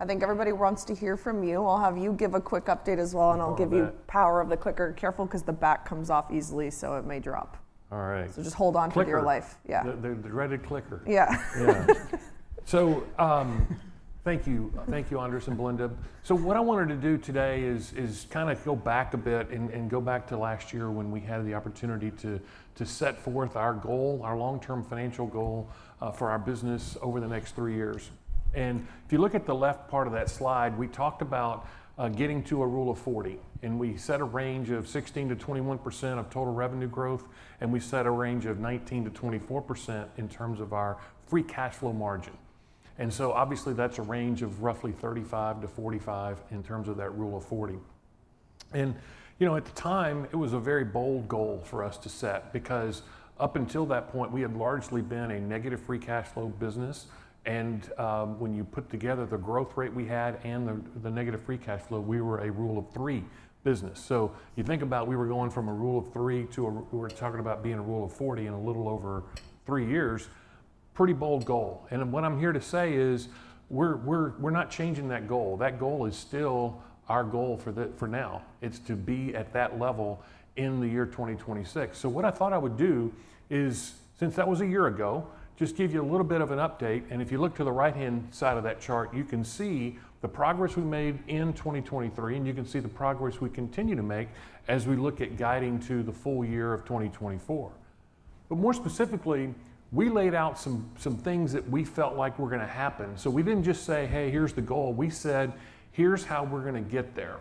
I think everybody wants to hear from you. I'll have you give a quick update as well- All right. And I'll give you power of the clicker. Careful, 'cause the back comes off easily, so it may drop. All right. Just hold on for your life. Clicker. Yeah. The dreaded clicker. Yeah. Yeah. So, thank you. Thank you, Andres and Belinda. So what I wanted to do today is kinda go back a bit and go back to last year when we had the opportunity to set forth our goal, our long-term financial goal, for our business over the next three years. And if you look at the left part of that slide, we talked about getting to a Rule of 40, and we set a range of 16%-21% of total revenue growth, and we set a range of 19%-24% in terms of our free cash flow margin. And so obviously, that's a range of roughly 35-45 in terms of that Rule of 40. You know, at the time, it was a very bold goal for us to set because up until that point, we had largely been a negative free cash flow business, and when you put together the growth rate we had and the negative free cash flow, we were a Rule of 3 business. So you think about we were going from a Rule of 3 to we're talking about being a Rule of 40 in a little over three years. Pretty bold goal. And what I'm here to say is, we're not changing that goal. That goal is still our goal for now. It's to be at that level in the year 2026. So what I thought I would do is, since that was a year ago, just give you a little bit of an update, and if you look to the right-hand side of that chart, you can see the progress we made in 2023, and you can see the progress we continue to make as we look at guiding to the full year of 2024. But more specifically, we laid out some, some things that we felt like were gonna happen. So we didn't just say: Hey, here's the goal. We said: Here's how we're gonna get there.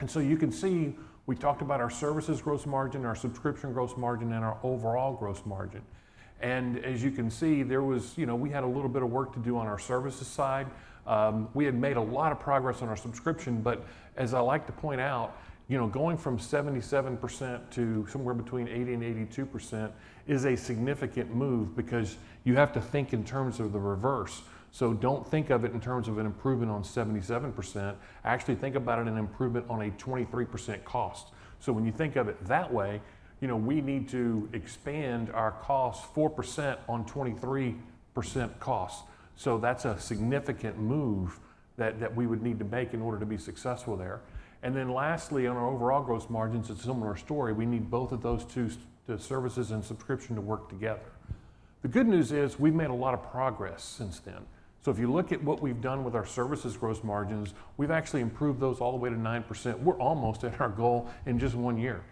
And so you can see, we talked about our services gross margin, our subscription gross margin, and our overall gross margin. And as you can see, there was, you know, we had a little bit of work to do on our services side. We had made a lot of progress on our subscription, but as I like to point out, you know, going from 77% to somewhere between 80%-82% is a significant move because you have to think in terms of the reverse. So don't think of it in terms of an improvement on 77%. Actually, think about it an improvement on a 23% cost. So when you think of it that way, you know, we need to expand our cost 4% on 23% cost. So that's a significant move that we would need to make in order to be successful there. And then lastly, on our overall gross margins, it's a similar story. We need both of those two—the services and subscription—to work together. The good news is, we've made a lot of progress since then. So if you look at what we've done with our services gross margins, we've actually improved those all the way to 9%. We're almost at our goal in just one year.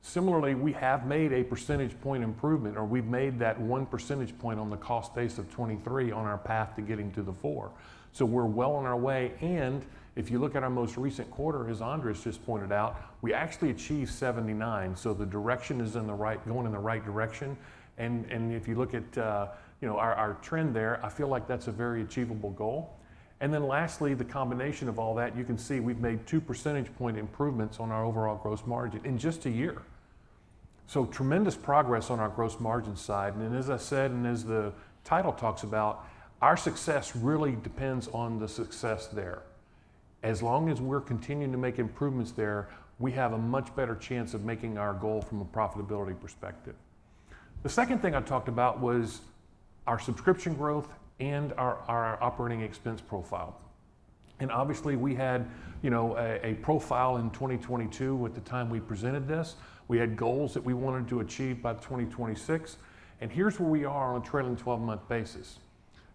Similarly, we have made a percentage point improvement, or we've made that one percentage point on the cost base of 23 on our path to getting to the 4. So we're well on our way, and if you look at our most recent quarter, as Andres just pointed out, we actually achieved 79. So the direction is in the right, going in the right direction, and, and if you look at, you know, our, our trend there, I feel like that's a very achievable goal. And then lastly, the combination of all that, you can see we've made two percentage point improvements on our overall gross margin in just a year. So tremendous progress on our gross margin side, and as I said, and as the title talks about, our success really depends on the success there. As long as we're continuing to make improvements there, we have a much better chance of making our goal from a profitability perspective. The second thing I talked about was our subscription growth and our operating expense profile. And obviously, we had, you know, a profile in 2022 at the time we presented this. We had goals that we wanted to achieve by 2026, and here's where we are on a trailing 12-month basis.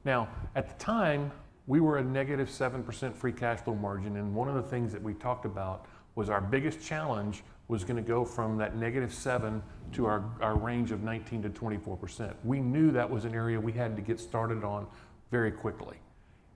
Now, at the time, we were a -7% free cash flow margin, and one of the things that we talked about was our biggest challenge was gonna go from that negative 7% to our range of 19%-24%. We knew that was an area we had to get started on very quickly,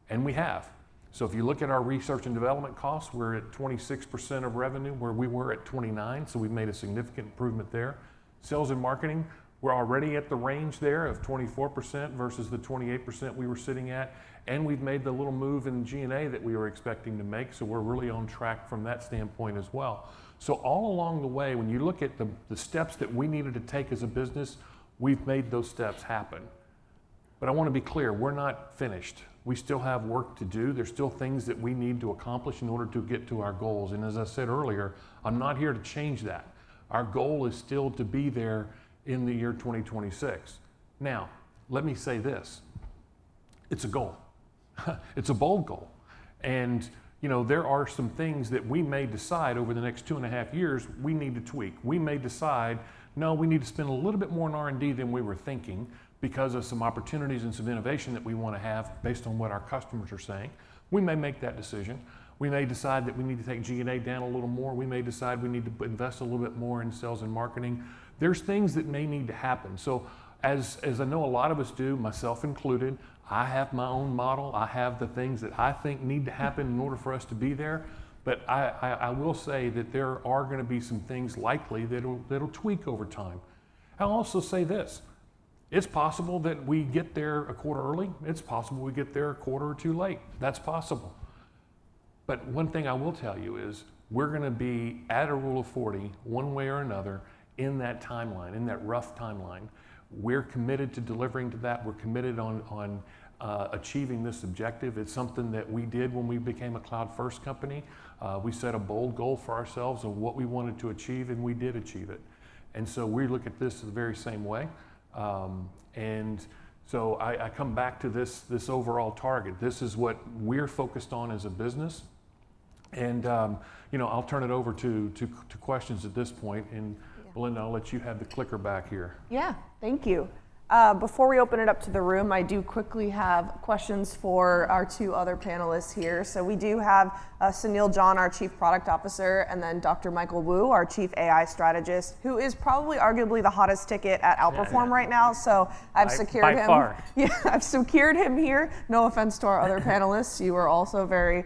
and we have. So if you look at our research and development costs, we're at 26% of revenue, where we were at 29, so we've made a significant improvement there. Sales and marketing, we're already at the range there of 24% versus the 28% we were sitting at, and we've made the little move in G&A that we were expecting to make, so we're really on track from that standpoint as well. So all along the way, when you look at the steps that we needed to take as a business, we've made those steps happen. But I wanna be clear, we're not finished. We still have work to do. There's still things that we need to accomplish in order to get to our goals, and as I said earlier, I'm not here to change that. Our goal is still to be there in the year 2026. Now, let me say this: It's a goal. It's a bold goal, and, you know, there are some things that we may decide over the next 2 and a half years we need to tweak. We may decide, no, we need to spend a little bit more on R&D than we were thinking because of some opportunities and some innovation that we wanna have, based on what our customers are saying. We may make that decision. We may decide that we need to take G&A down a little more. We may decide we need to invest a little bit more in sales and marketing. There's things that may need to happen. As I know a lot of us do, myself included, I have my own model. I have the things that I think need to happen in order for us to be there, but I will say that there are gonna be some things likely that'll tweak over time. I'll also say this... It's possible that we get there a quarter early. It's possible we get there a quarter or two late. That's possible. But one thing I will tell you is we're gonna be at a Rule of 40, one way or another, in that timeline, in that rough timeline. We're committed to delivering to that. We're committed on, on, achieving this objective. It's something that we did when we became a cloud-first company. We set a bold goal for ourselves of what we wanted to achieve, and we did achieve it. And so we look at this the very same way. And so I come back to this overall target. This is what we're focused on as a business. And, you know, I'll turn it over to questions at this point. Yeah. Belinda, I'll let you have the clicker back here. Yeah. Thank you. Before we open it up to the room, I do quickly have questions for our two other panelists here. So we do have, Sunil John, our Chief Product Officer, and then Dr. Michael Wu, our Chief AI Strategist, who is probably arguably the hottest ticket at Outperform right now. Yeah. So I've secured him- By far. Yeah, I've secured him here. No offense to our other panelists. You are also very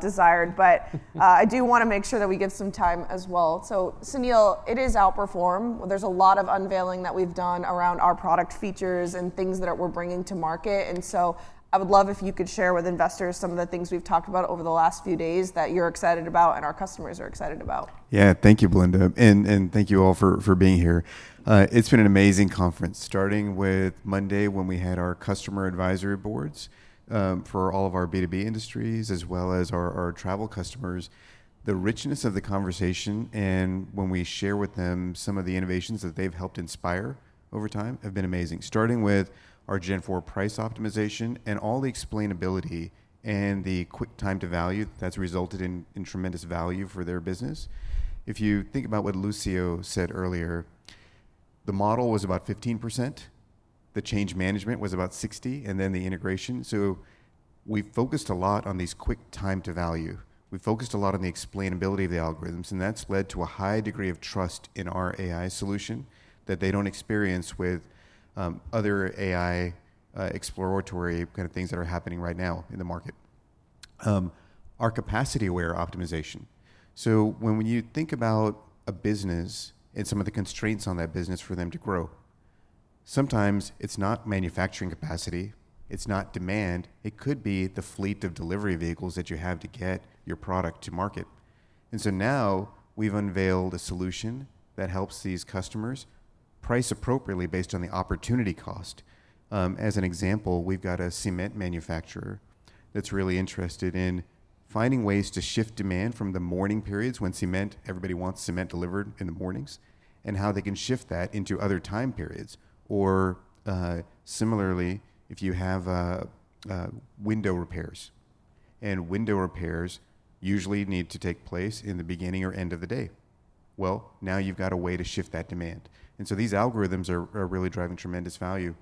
desired. But I do wanna make sure that we give some time as well. So, Sunil, it is Outperform. There's a lot of unveiling that we've done around our product features and things that we're bringing to market, and so I would love if you could share with investors some of the things we've talked about over the last few days that you're excited about and our customers are excited about. Yeah. Thank you, Belinda, and, and thank you all for, for being here. It's been an amazing conference, starting with Monday, when we had our customer advisory boards for all of our B2B industries, as well as our, our travel customers. The richness of the conversation and when we share with them some of the innovations that they've helped inspire over time have been amazing. Starting with our Gen IV price optimization and all the explainability and the quick time to value, that's resulted in, in tremendous value for their business. If you think about what Lucio said earlier, the model was about 15%, the change management was about 60%, and then the integration. So we focused a lot on these quick time to value. We focused a lot on the explainability of the algorithms, and that's led to a high degree of trust in our AI solution that they don't experience with, other AI, exploratory kind of things that are happening right now in the market. Our capacity-aware optimization. So when you think about a business and some of the constraints on that business for them to grow, sometimes it's not manufacturing capacity, it's not demand, it could be the fleet of delivery vehicles that you have to get your product to market. And so now, we've unveiled a solution that helps these customers price appropriately based on the opportunity cost. As an example, we've got a cement manufacturer that's really interested in finding ways to shift demand from the morning periods when cement... Everybody wants cement delivered in the mornings, and how they can shift that into other time periods. Or, similarly, if you have window repairs, and window repairs usually need to take place in the beginning or end of the day. Well, now you've got a way to shift that demand. And so these algorithms are really driving tremendous value.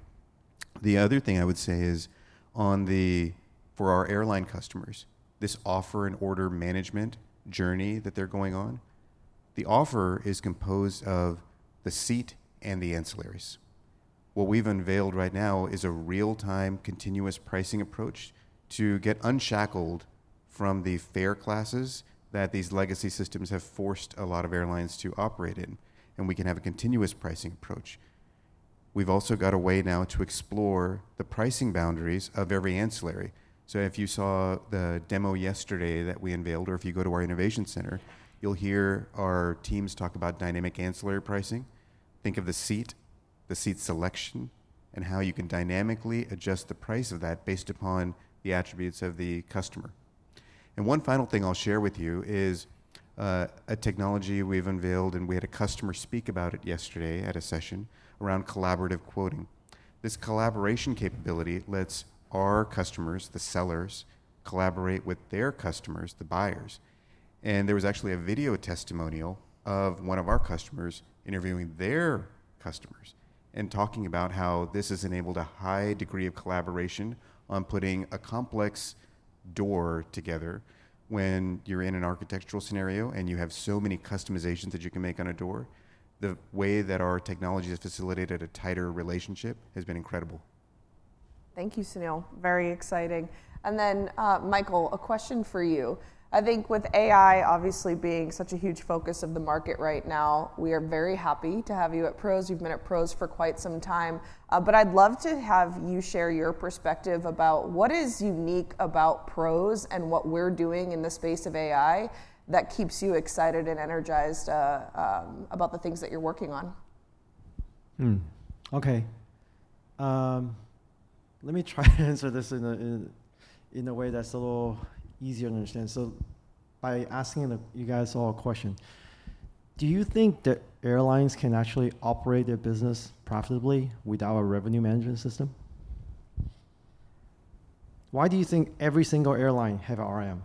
The other thing I would say is on the, for our airline customers, this offer and order management journey that they're going on, the offer is composed of the seat and the ancillaries. What we've unveiled right now is a real-time, continuous pricing approach to get unshackled from the fare classes that these legacy systems have forced a lot of airlines to operate in, and we can have a continuous pricing approach. We've also got a way now to explore the pricing boundaries of every ancillary. So if you saw the demo yesterday that we unveiled, or if you go to our innovation center, you'll hear our teams talk about dynamic ancillary pricing. Think of the seat, the seat selection, and how you can dynamically adjust the price of that based upon the attributes of the customer. And one final thing I'll share with you is a technology we've unveiled, and we had a customer speak about it yesterday at a session around collaborative quoting. This collaboration capability lets our customers, the sellers, collaborate with their customers, the buyers. And there was actually a video testimonial of one of our customers interviewing their customers and talking about how this has enabled a high degree of collaboration on putting a complex door together. When you're in an architectural scenario and you have so many customizations that you can make on a door, the way that our technology has facilitated a tighter relationship has been incredible. Thank you, Sunil. Very exciting. And then, Michael, a question for you. I think with AI obviously being such a huge focus of the market right now, we are very happy to have you at PROS. You've been at PROS for quite some time, but I'd love to have you share your perspective about what is unique about PROS and what we're doing in the space of AI that keeps you excited and energized, about the things that you're working on. Okay. Let me try to answer this in a way that's a little easier to understand. So by asking you guys all a question: Do you think that airlines can actually operate their business profitably without a revenue management system? Why do you think every single airline have a RM?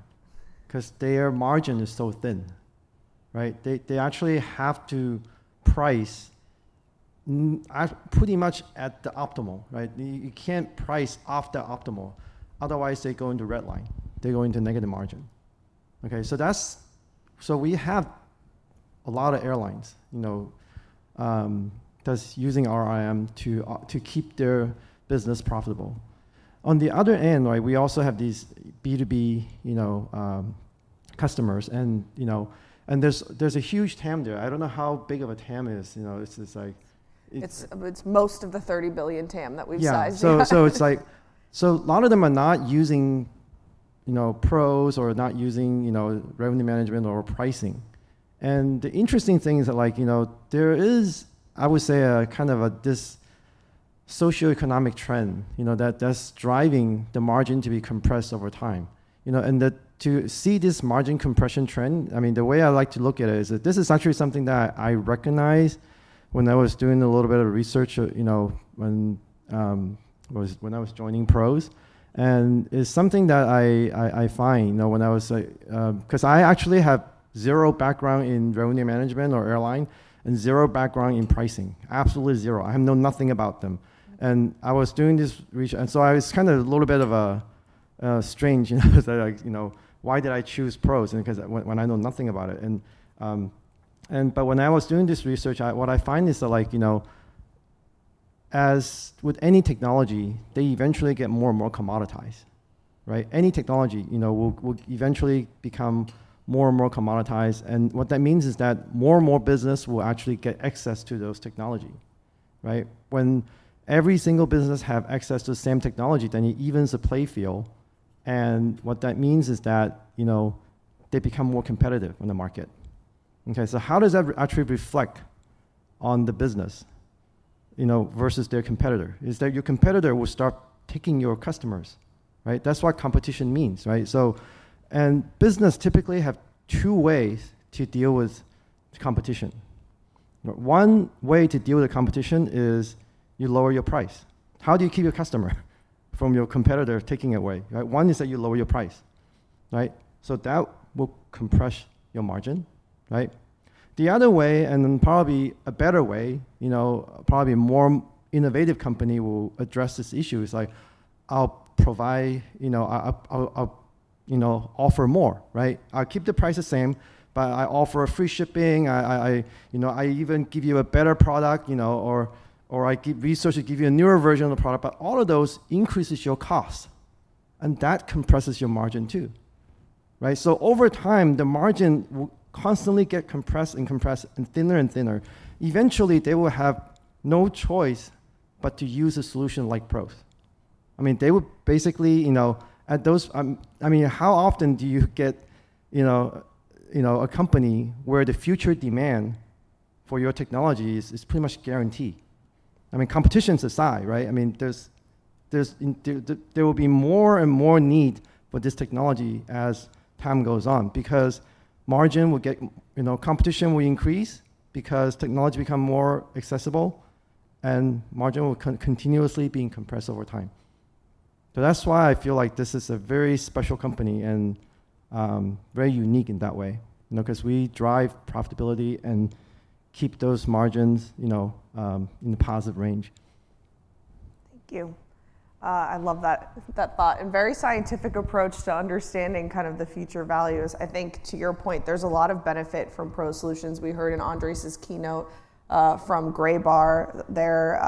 'Cause their margin is so thin, right? They actually have to price pretty much at the optimal, right? You can't price off the optimal, otherwise they go into red line, they go into negative margin. Okay, so that's... So we have a lot of airlines, you know, that's using our RM to keep their business profitable.... on the other end, right, we also have these B2B, you know, customers, and, you know, and there's, there's a huge TAM there. I don't know how big of a TAM it is, you know, it's just like, it's- It's most of the 30 billion TAM that we've sized. Yeah. So it's like... So a lot of them are not using, you know, PROS or not using, you know, revenue management or pricing. And the interesting thing is that, like, you know, there is, I would say, a kind of a, this socioeconomic trend, you know, that that's driving the margin to be compressed over time, you know. And that to see this margin compression trend, I mean, the way I like to look at it is that this is actually something that I recognized when I was doing a little bit of research, you know, when I was joining PROS. And it's something that I find, you know, when I was, like... 'Cause I actually have zero background in revenue management or airline and zero background in pricing. Absolutely zero. I know nothing about them. I was doing this research, and so I was kind of a little bit of a strange, you know, like, you know, why did I choose PROS? And 'cause when, when I know nothing about it, and, and but when I was doing this research, I, what I find is that, like, you know, as with any technology, they eventually get more and more commoditized, right? Any technology, you know, will eventually become more and more commoditized, and what that means is that more and more business will actually get access to those technology, right? When every single business have access to the same technology, then it evens the playing field, and what that means is that, you know, they become more competitive in the market. Okay, so how does that actually reflect on the business, you know, versus their competitor? Is that your competitor will start taking your customers, right? That's what competition means, right? So, business typically have two ways to deal with competition. One way to deal with the competition is you lower your price. How do you keep your customer from your competitor taking it away, right? One is that you lower your price, right? So that will compress your margin, right? The other way, and then probably a better way, you know, probably more innovative company will address this issue is like, I'll provide, you know, I'll offer more, right? I'll keep the price the same, but I offer free shipping, you know, I even give you a better product, you know, or I keep research to give you a newer version of the product. But all of those increases your cost, and that compresses your margin too, right? So over time, the margin will constantly get compressed and compressed and thinner and thinner. Eventually, they will have no choice but to use a solution like PROS. I mean, they would basically, you know, at those, I mean, how often do you get, you know, you know, a company where the future demand for your technology is pretty much guaranteed? I mean, competition's aside, right? I mean, there will be more and more need for this technology as time goes on, because margin will get, you know, competition will increase because technology become more accessible, and margin will continuously being compressed over time. That's why I feel like this is a very special company and very unique in that way, you know, 'cause we drive profitability and keep those margins, you know, in the positive range. Thank you. I love that, that thought, and very scientific approach to understanding kind of the future values. I think, to your point, there's a lot of benefit from PROS solutions. We heard in Andres's keynote, from Graybar, their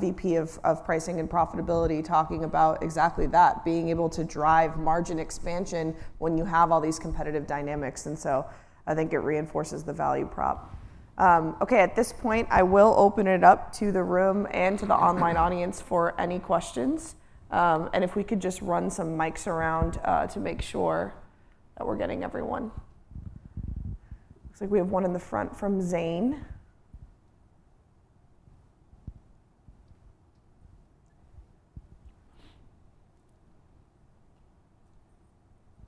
VP of Pricing and Profitability, talking about exactly that, being able to drive margin expansion when you have all these competitive dynamics, and so I think it reinforces the value prop. Okay, at this point, I will open it up to the room and to the online audience for any questions. And if we could just run some mics around, to make sure that we're getting everyone. Looks like we have one in the front from Zane.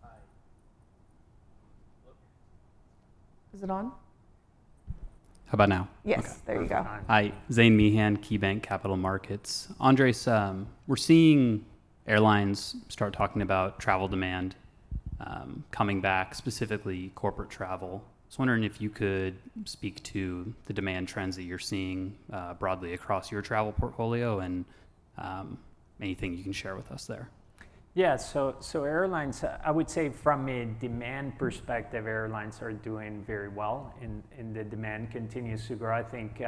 Hi. Hello. Is it on? How about now? Yes. Okay. There you go. Hi, Zane Meehan, KeyBanc Capital Markets. Andres, we're seeing airlines start talking about travel demand, coming back, specifically corporate travel. Just wondering if you could speak to the demand trends that you're seeing, broadly across your travel portfolio and, anything you can share with us there. Yeah, so airlines, I would say from a demand perspective, airlines are doing very well, and the demand continues to grow. I think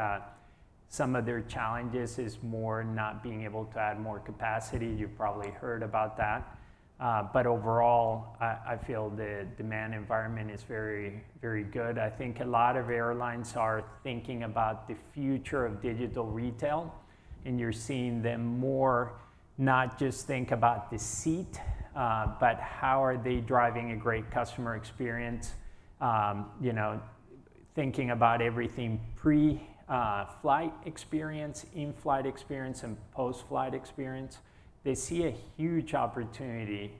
some of their challenges is more not being able to add more capacity. You've probably heard about that. But overall, I feel the demand environment is very, very good. I think a lot of airlines are thinking about the future of digital retail, and you're seeing them more not just think about the seat, but how are they driving a great customer experience. You know, thinking about everything pre-flight experience, in-flight experience, and post-flight experience. They see a huge opportunity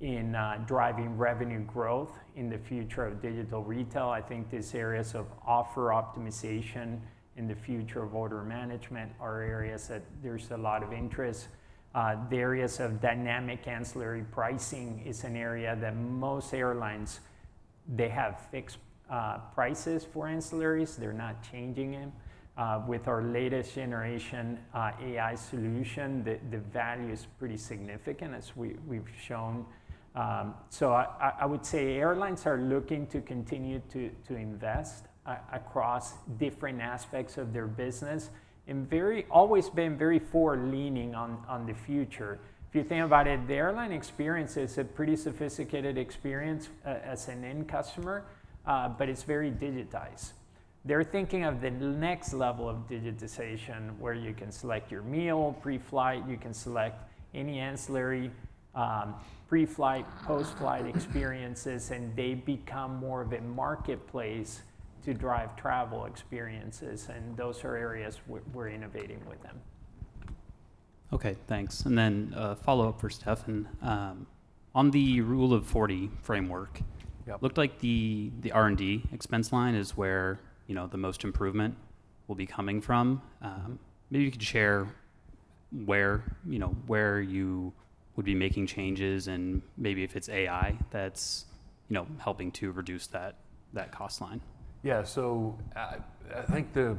in driving revenue growth in the future of digital retail. I think these areas of offer optimization in the future of order management are areas that there's a lot of interest. The areas of dynamic ancillary pricing is an area that most airlines, they have fixed prices for ancillaries. They're not changing them. With our latest generation AI solution, the value is pretty significant, as we've shown. So I would say airlines are looking to continue to invest across different aspects of their business. ... and we've always been very forward leaning on the future. If you think about it, the airline experience is a pretty sophisticated experience as an end customer, but it's very digitized. They're thinking of the next level of digitization, where you can select your meal pre-flight, you can select any ancillary pre-flight, post-flight experiences, and they become more of a marketplace to drive travel experiences, and those are areas we're innovating with them. Okay, thanks. And then, a follow-up for Stefan. On the Rule of 40 framework. Yeah. It looked like the, the R&D expense line is where, you know, the most improvement will be coming from. Maybe you could share where, you know, where you would be making changes, and maybe if it's AI, that's, you know, helping to reduce that, that cost line. Yeah. So, I think the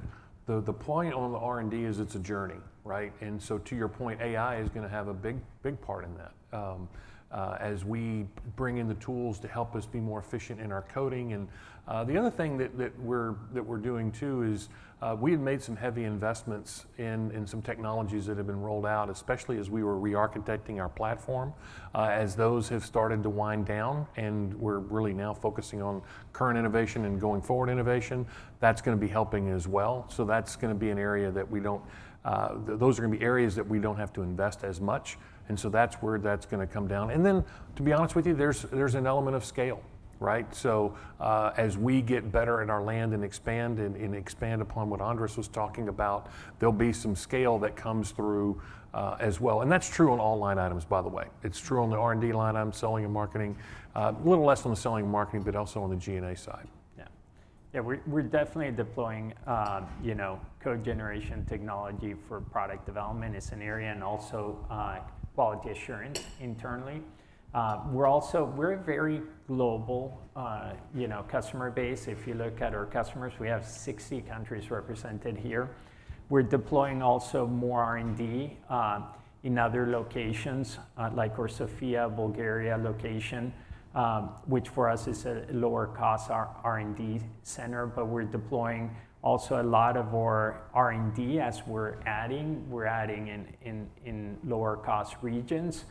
point on the R&D is it's a journey, right? And so to your point, AI is gonna have a big, big part in that, as we bring in the tools to help us be more efficient in our coding. And, the other thing that we're doing too, is, we have made some heavy investments in some technologies that have been rolled out, especially as we were rearchitecting our platform. As those have started to wind down, and we're really now focusing on current innovation and going forward innovation, that's gonna be helping as well. So that's gonna be an area that we don't, those are gonna be areas that we don't have to invest as much, and so that's where that's gonna come down. And then, to be honest with you, there's an element of scale, right? So, as we get better in our land and expand and expand upon what Andres was talking about, there'll be some scale that comes through, as well, and that's true on all line items, by the way. It's true on the R&D line item, selling and marketing, a little less on the selling and marketing, but also on the G&A side. Yeah. Yeah, we're, we're definitely deploying, you know, code generation technology for product development. It's an area and also, quality assurance internally. We're also-- we're a very global, you know, customer base. If you look at our customers, we have 60 countries represented here. We're deploying also more R&D, in other locations, like our Sofia, Bulgaria, location, which for us is a lower cost R&D center. But we're deploying also a lot of our R&D as we're adding, we're adding in, in, in lower-cost regions,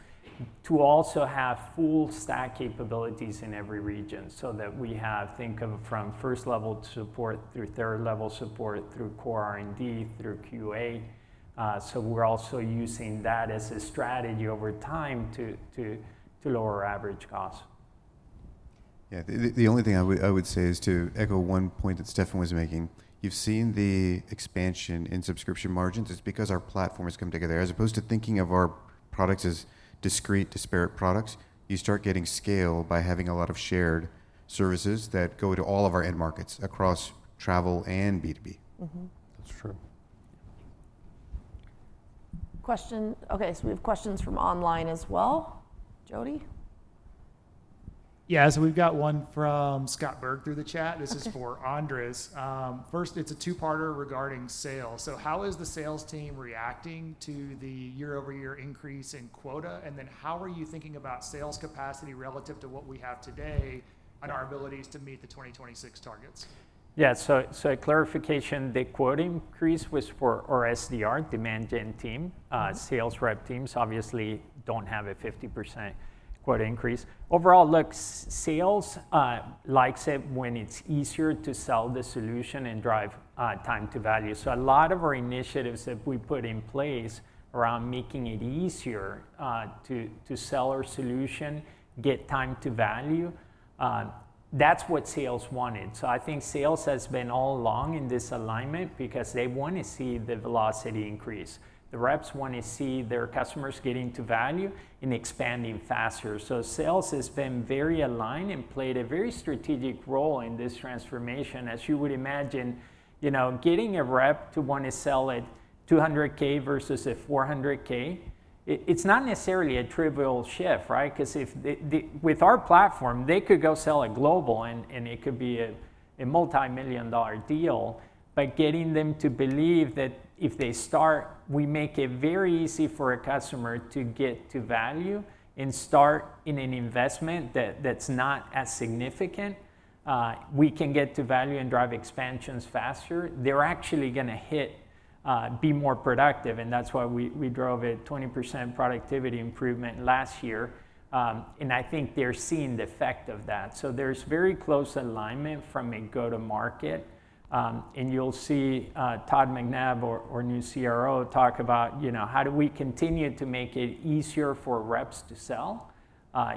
to also have full stack capabilities in every region, so that we have... Think of from first-level support through third-level support, through core R&D, through QA. So we're also using that as a strategy over time to, to, to lower average cost. Yeah. The only thing I would say is to echo one point that Stefan was making. You've seen the expansion in subscription margins. It's because our platform is coming together. As opposed to thinking of our products as discrete, disparate products, you start getting scale by having a lot of shared services that go to all of our end markets, across travel and B2B. Mm-hmm. That's true. Question. Okay, so we have questions from online as well. Jody? Yeah, so we've got one from Scott Berg through the chat. Okay. This is for Andres. First, it's a two-parter regarding sales. So how is the sales team reacting to the year-over-year increase in quota? And then, how are you thinking about sales capacity relative to what we have today- Yeah... and our abilities to meet the 2026 targets? Yeah, so, so a clarification. The quota increase was for our SDR demand gen team. Mm-hmm. Sales rep teams obviously don't have a 50% quota increase. Overall, look, sales likes it when it's easier to sell the solution and drive time to value. So a lot of our initiatives that we put in place around making it easier to sell our solution, get time to value, that's what sales wanted. So I think sales has been all along in this alignment because they wanna see the velocity increase. The reps wanna see their customers getting to value and expanding faster. So sales has been very aligned and played a very strategic role in this transformation. As you would imagine, you know, getting a rep to wanna sell at 200,000 versus a 400,000, it, it's not necessarily a trivial shift, right? 'Cause if the, the... With our platform, they could go sell at global, and it could be a multimillion-dollar deal. But getting them to believe that if they start, we make it very easy for a customer to get to value and start in an investment that, that's not as significant, we can get to value and drive expansions faster. They're actually gonna be more productive, and that's why we drove a 20% productivity improvement last year. And I think they're seeing the effect of that. So there's very close alignment from a go-to-market, and you'll see, Todd McNabb, our new CRO, talk about, you know, how do we continue to make it easier for reps to sell,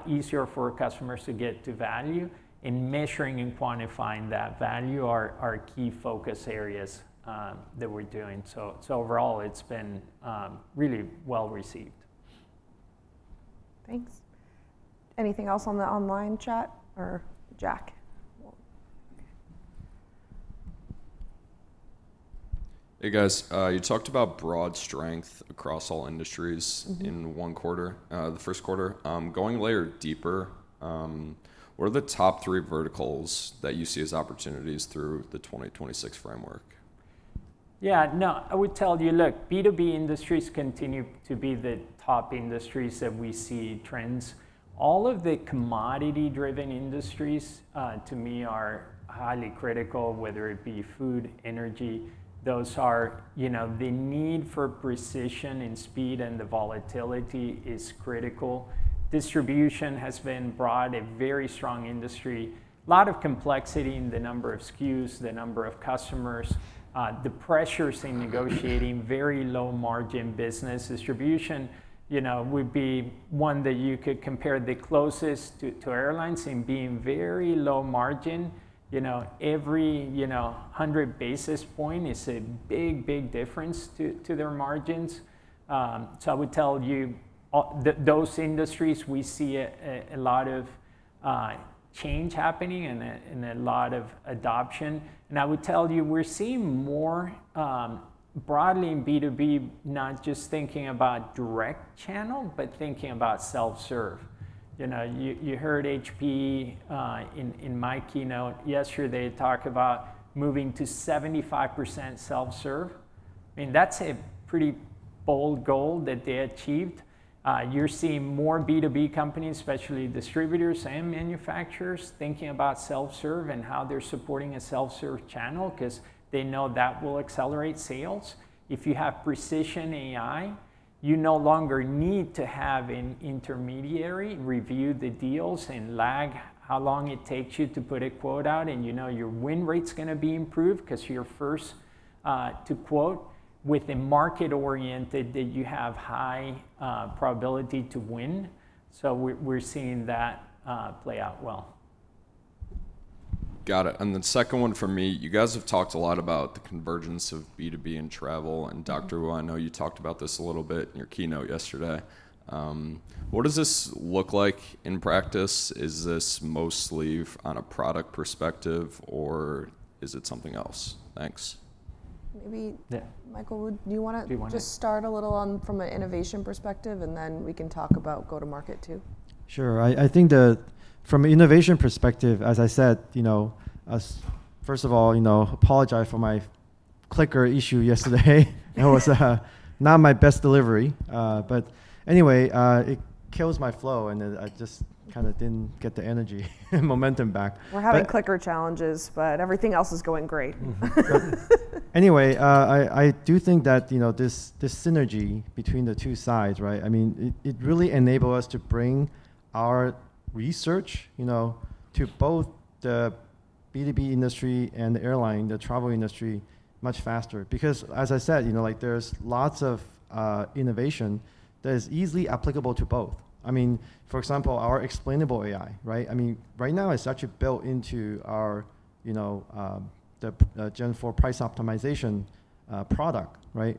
easier for customers to get to value? And measuring and quantifying that value are key focus areas that we're doing. So overall, it's been really well-received. Thanks. Anything else on the online chat or Jack? Well, okay. Hey, guys. You talked about broad strength across all industries- Mm-hmm... in one quarter, the first quarter. Going a layer deeper, what are the top three verticals that you see as opportunities through the 2026 framework?... Yeah, no, I would tell you, look, B2B industries continue to be the top industries that we see trends. All of the commodity-driven industries, to me are highly critical, whether it be food, energy, those are, you know, the need for precision and speed, and the volatility is critical. Distribution has been broad, a very strong industry. Lot of complexity in the number of SKUs, the number of customers, the pressures in negotiating very low margin business. Distribution, you know, would be one that you could compare the closest to, to airlines in being very low margin. You know, every, you know, 100 basis point is a big, big difference to, to their margins. So I would tell you that those industries, we see a lot of change happening and a lot of adoption. I would tell you, we're seeing more broadly in B2B, not just thinking about direct channel, but thinking about self-serve. You know, you heard HP in my keynote yesterday talk about moving to 75% self-serve, and that's a pretty bold goal that they achieved. You're seeing more B2B companies, especially distributors and manufacturers, thinking about self-serve and how they're supporting a self-serve channel 'cause they know that will accelerate sales. If you have precision AI, you no longer need to have an intermediary review the deals and lag how long it takes you to put a quote out, and you know your win rate's gonna be improved 'cause you're first to quote. With a market-oriented that you have high probability to win, so we're seeing that play out well. Got it. And the second one for me, you guys have talked a lot about the convergence of B2B and travel, and Dr. Wu, I know you talked about this a little bit in your keynote yesterday. What does this look like in practice? Is this mostly on a product perspective, or is it something else? Thanks. Maybe- Yeah. Michael, do you wanna- Do you wanna- Just start a little on from an innovation perspective, and then we can talk about go-to-market, too? Sure. I think, from an innovation perspective, as I said, you know, first of all, you know, apologize for my clicker issue yesterday. It was not my best delivery. But anyway, it kills my flow, and then I just kind of didn't get the energy and momentum back. But- We're having clicker challenges, but everything else is going great. Anyway, I do think that, you know, this synergy between the two sides, right? I mean, it really enables us to bring our research, you know, to both the B2B industry and the airline, the travel industry, much faster. Because as I said, you know, like there's lots of innovation that is easily applicable to both. I mean, for example, our explainable AI, right? I mean, right now, it's actually built into our, you know, the Gen IV price optimization product, right?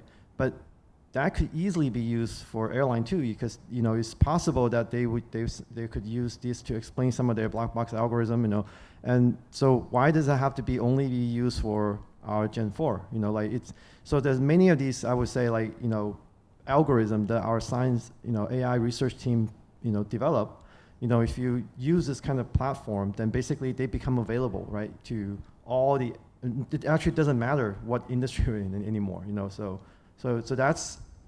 But that could easily be used for airline, too, because, you know, it's possible that they would they could use this to explain some of their black box algorithm, you know. And so why does it have to be only used for our Gen IV? You know, like it's... So there's many of these, I would say, like, you know, algorithms that our science, you know, AI research team, you know, develop. You know, if you use this kind of platform, then basically, they become available, right, to all the... It actually doesn't matter what industry you're in anymore, you know. So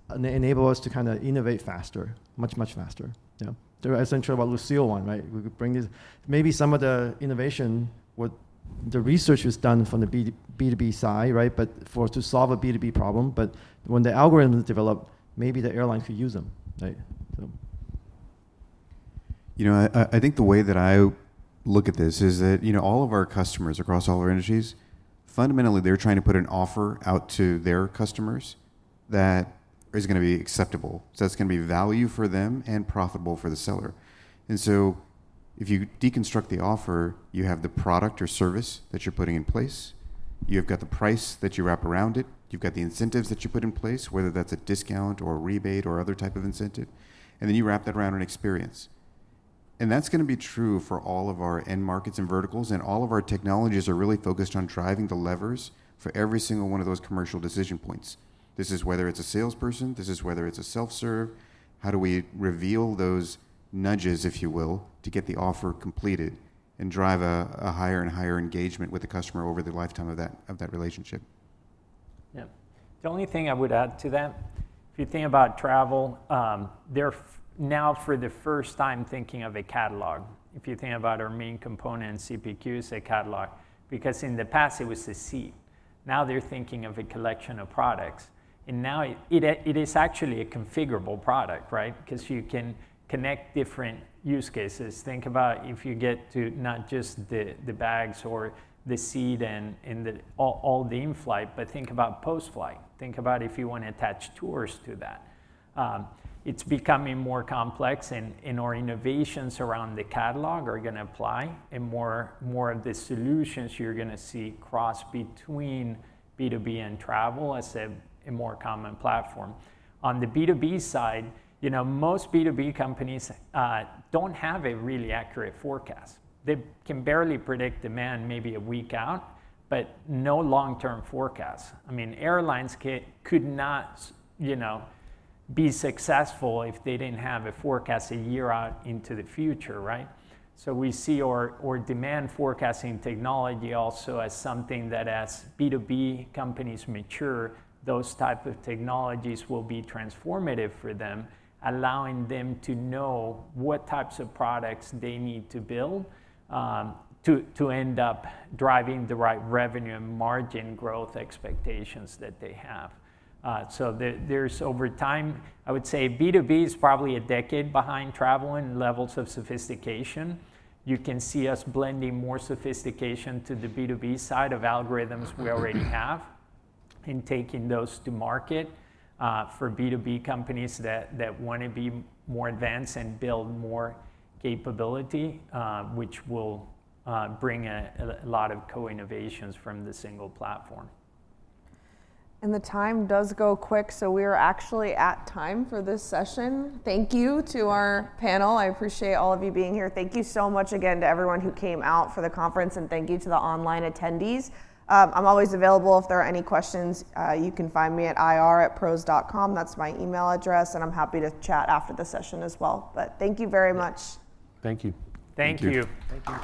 that's enable us to kind of innovate faster, much, much faster, you know? The essential about Lucio one, right? We could bring this, maybe some of the innovation with the research is done from the B2B side, right? But for, to solve a B2B problem, but when the algorithm is developed, maybe the airline could use them, right? So... You know, I think the way that I look at this is that, you know, all of our customers across all our industries, fundamentally, they're trying to put an offer out to their customers that is gonna be acceptable. So that's gonna be value for them and profitable for the seller. And so if you deconstruct the offer, you have the product or service that you're putting in place, you've got the price that you wrap around it, you've got the incentives that you put in place, whether that's a discount or a rebate or other type of incentive, and then you wrap that around an experience. And that's gonna be true for all of our end markets and verticals, and all of our technologies are really focused on driving the levers for every single one of those commercial decision points. This is whether it's a salesperson, this is whether it's a self-serve. How do we reveal those nudges, if you will, to get the offer completed and drive a, a higher and higher engagement with the customer over the lifetime of that, of that relationship? Yeah. The only thing I would add to that, if you think about travel, they're now, for the first time, thinking of a catalog. If you think about our main component, CPQ is a catalog. Because in the past, it was a seat. Now, they're thinking of a collection of products, and now, it, it, it is actually a configurable product, right? Because you can connect different use cases. Think about if you get to not just the bags or the seat and the all the in-flight, but think about post-flight. Think about if you want to attach tours to that. It's becoming more complex, and our innovations around the catalog are gonna apply, and more of the solutions you're gonna see cross between B2B and travel as a more common platform. On the B2B side, you know, most B2B companies don't have a really accurate forecast. They can barely predict demand maybe a week out, but no long-term forecast. I mean, airlines could not, you know, be successful if they didn't have a forecast a year out into the future, right? So we see our, our demand forecasting technology also as something that as B2B companies mature, those type of technologies will be transformative for them, allowing them to know what types of products they need to build to end up driving the right revenue and margin growth expectations that they have. So, there's over time, I would say B2B is probably a decade behind travel in levels of sophistication. You can see us blending more sophistication to the B2B side of algorithms we already have, and taking those to market for B2B companies that wanna be more advanced and build more capability, which will bring a lot of co-innovations from the single platform. The time does go quick, so we are actually at time for this session. Thank you to our panel. I appreciate all of you being here. Thank you so much again to everyone who came out for the conference, and thank you to the online attendees. I'm always available if there are any questions. You can find me at ir@pros.com. That's my email address, and I'm happy to chat after the session as well. But thank you very much. Thank you. Thank you. Thank you.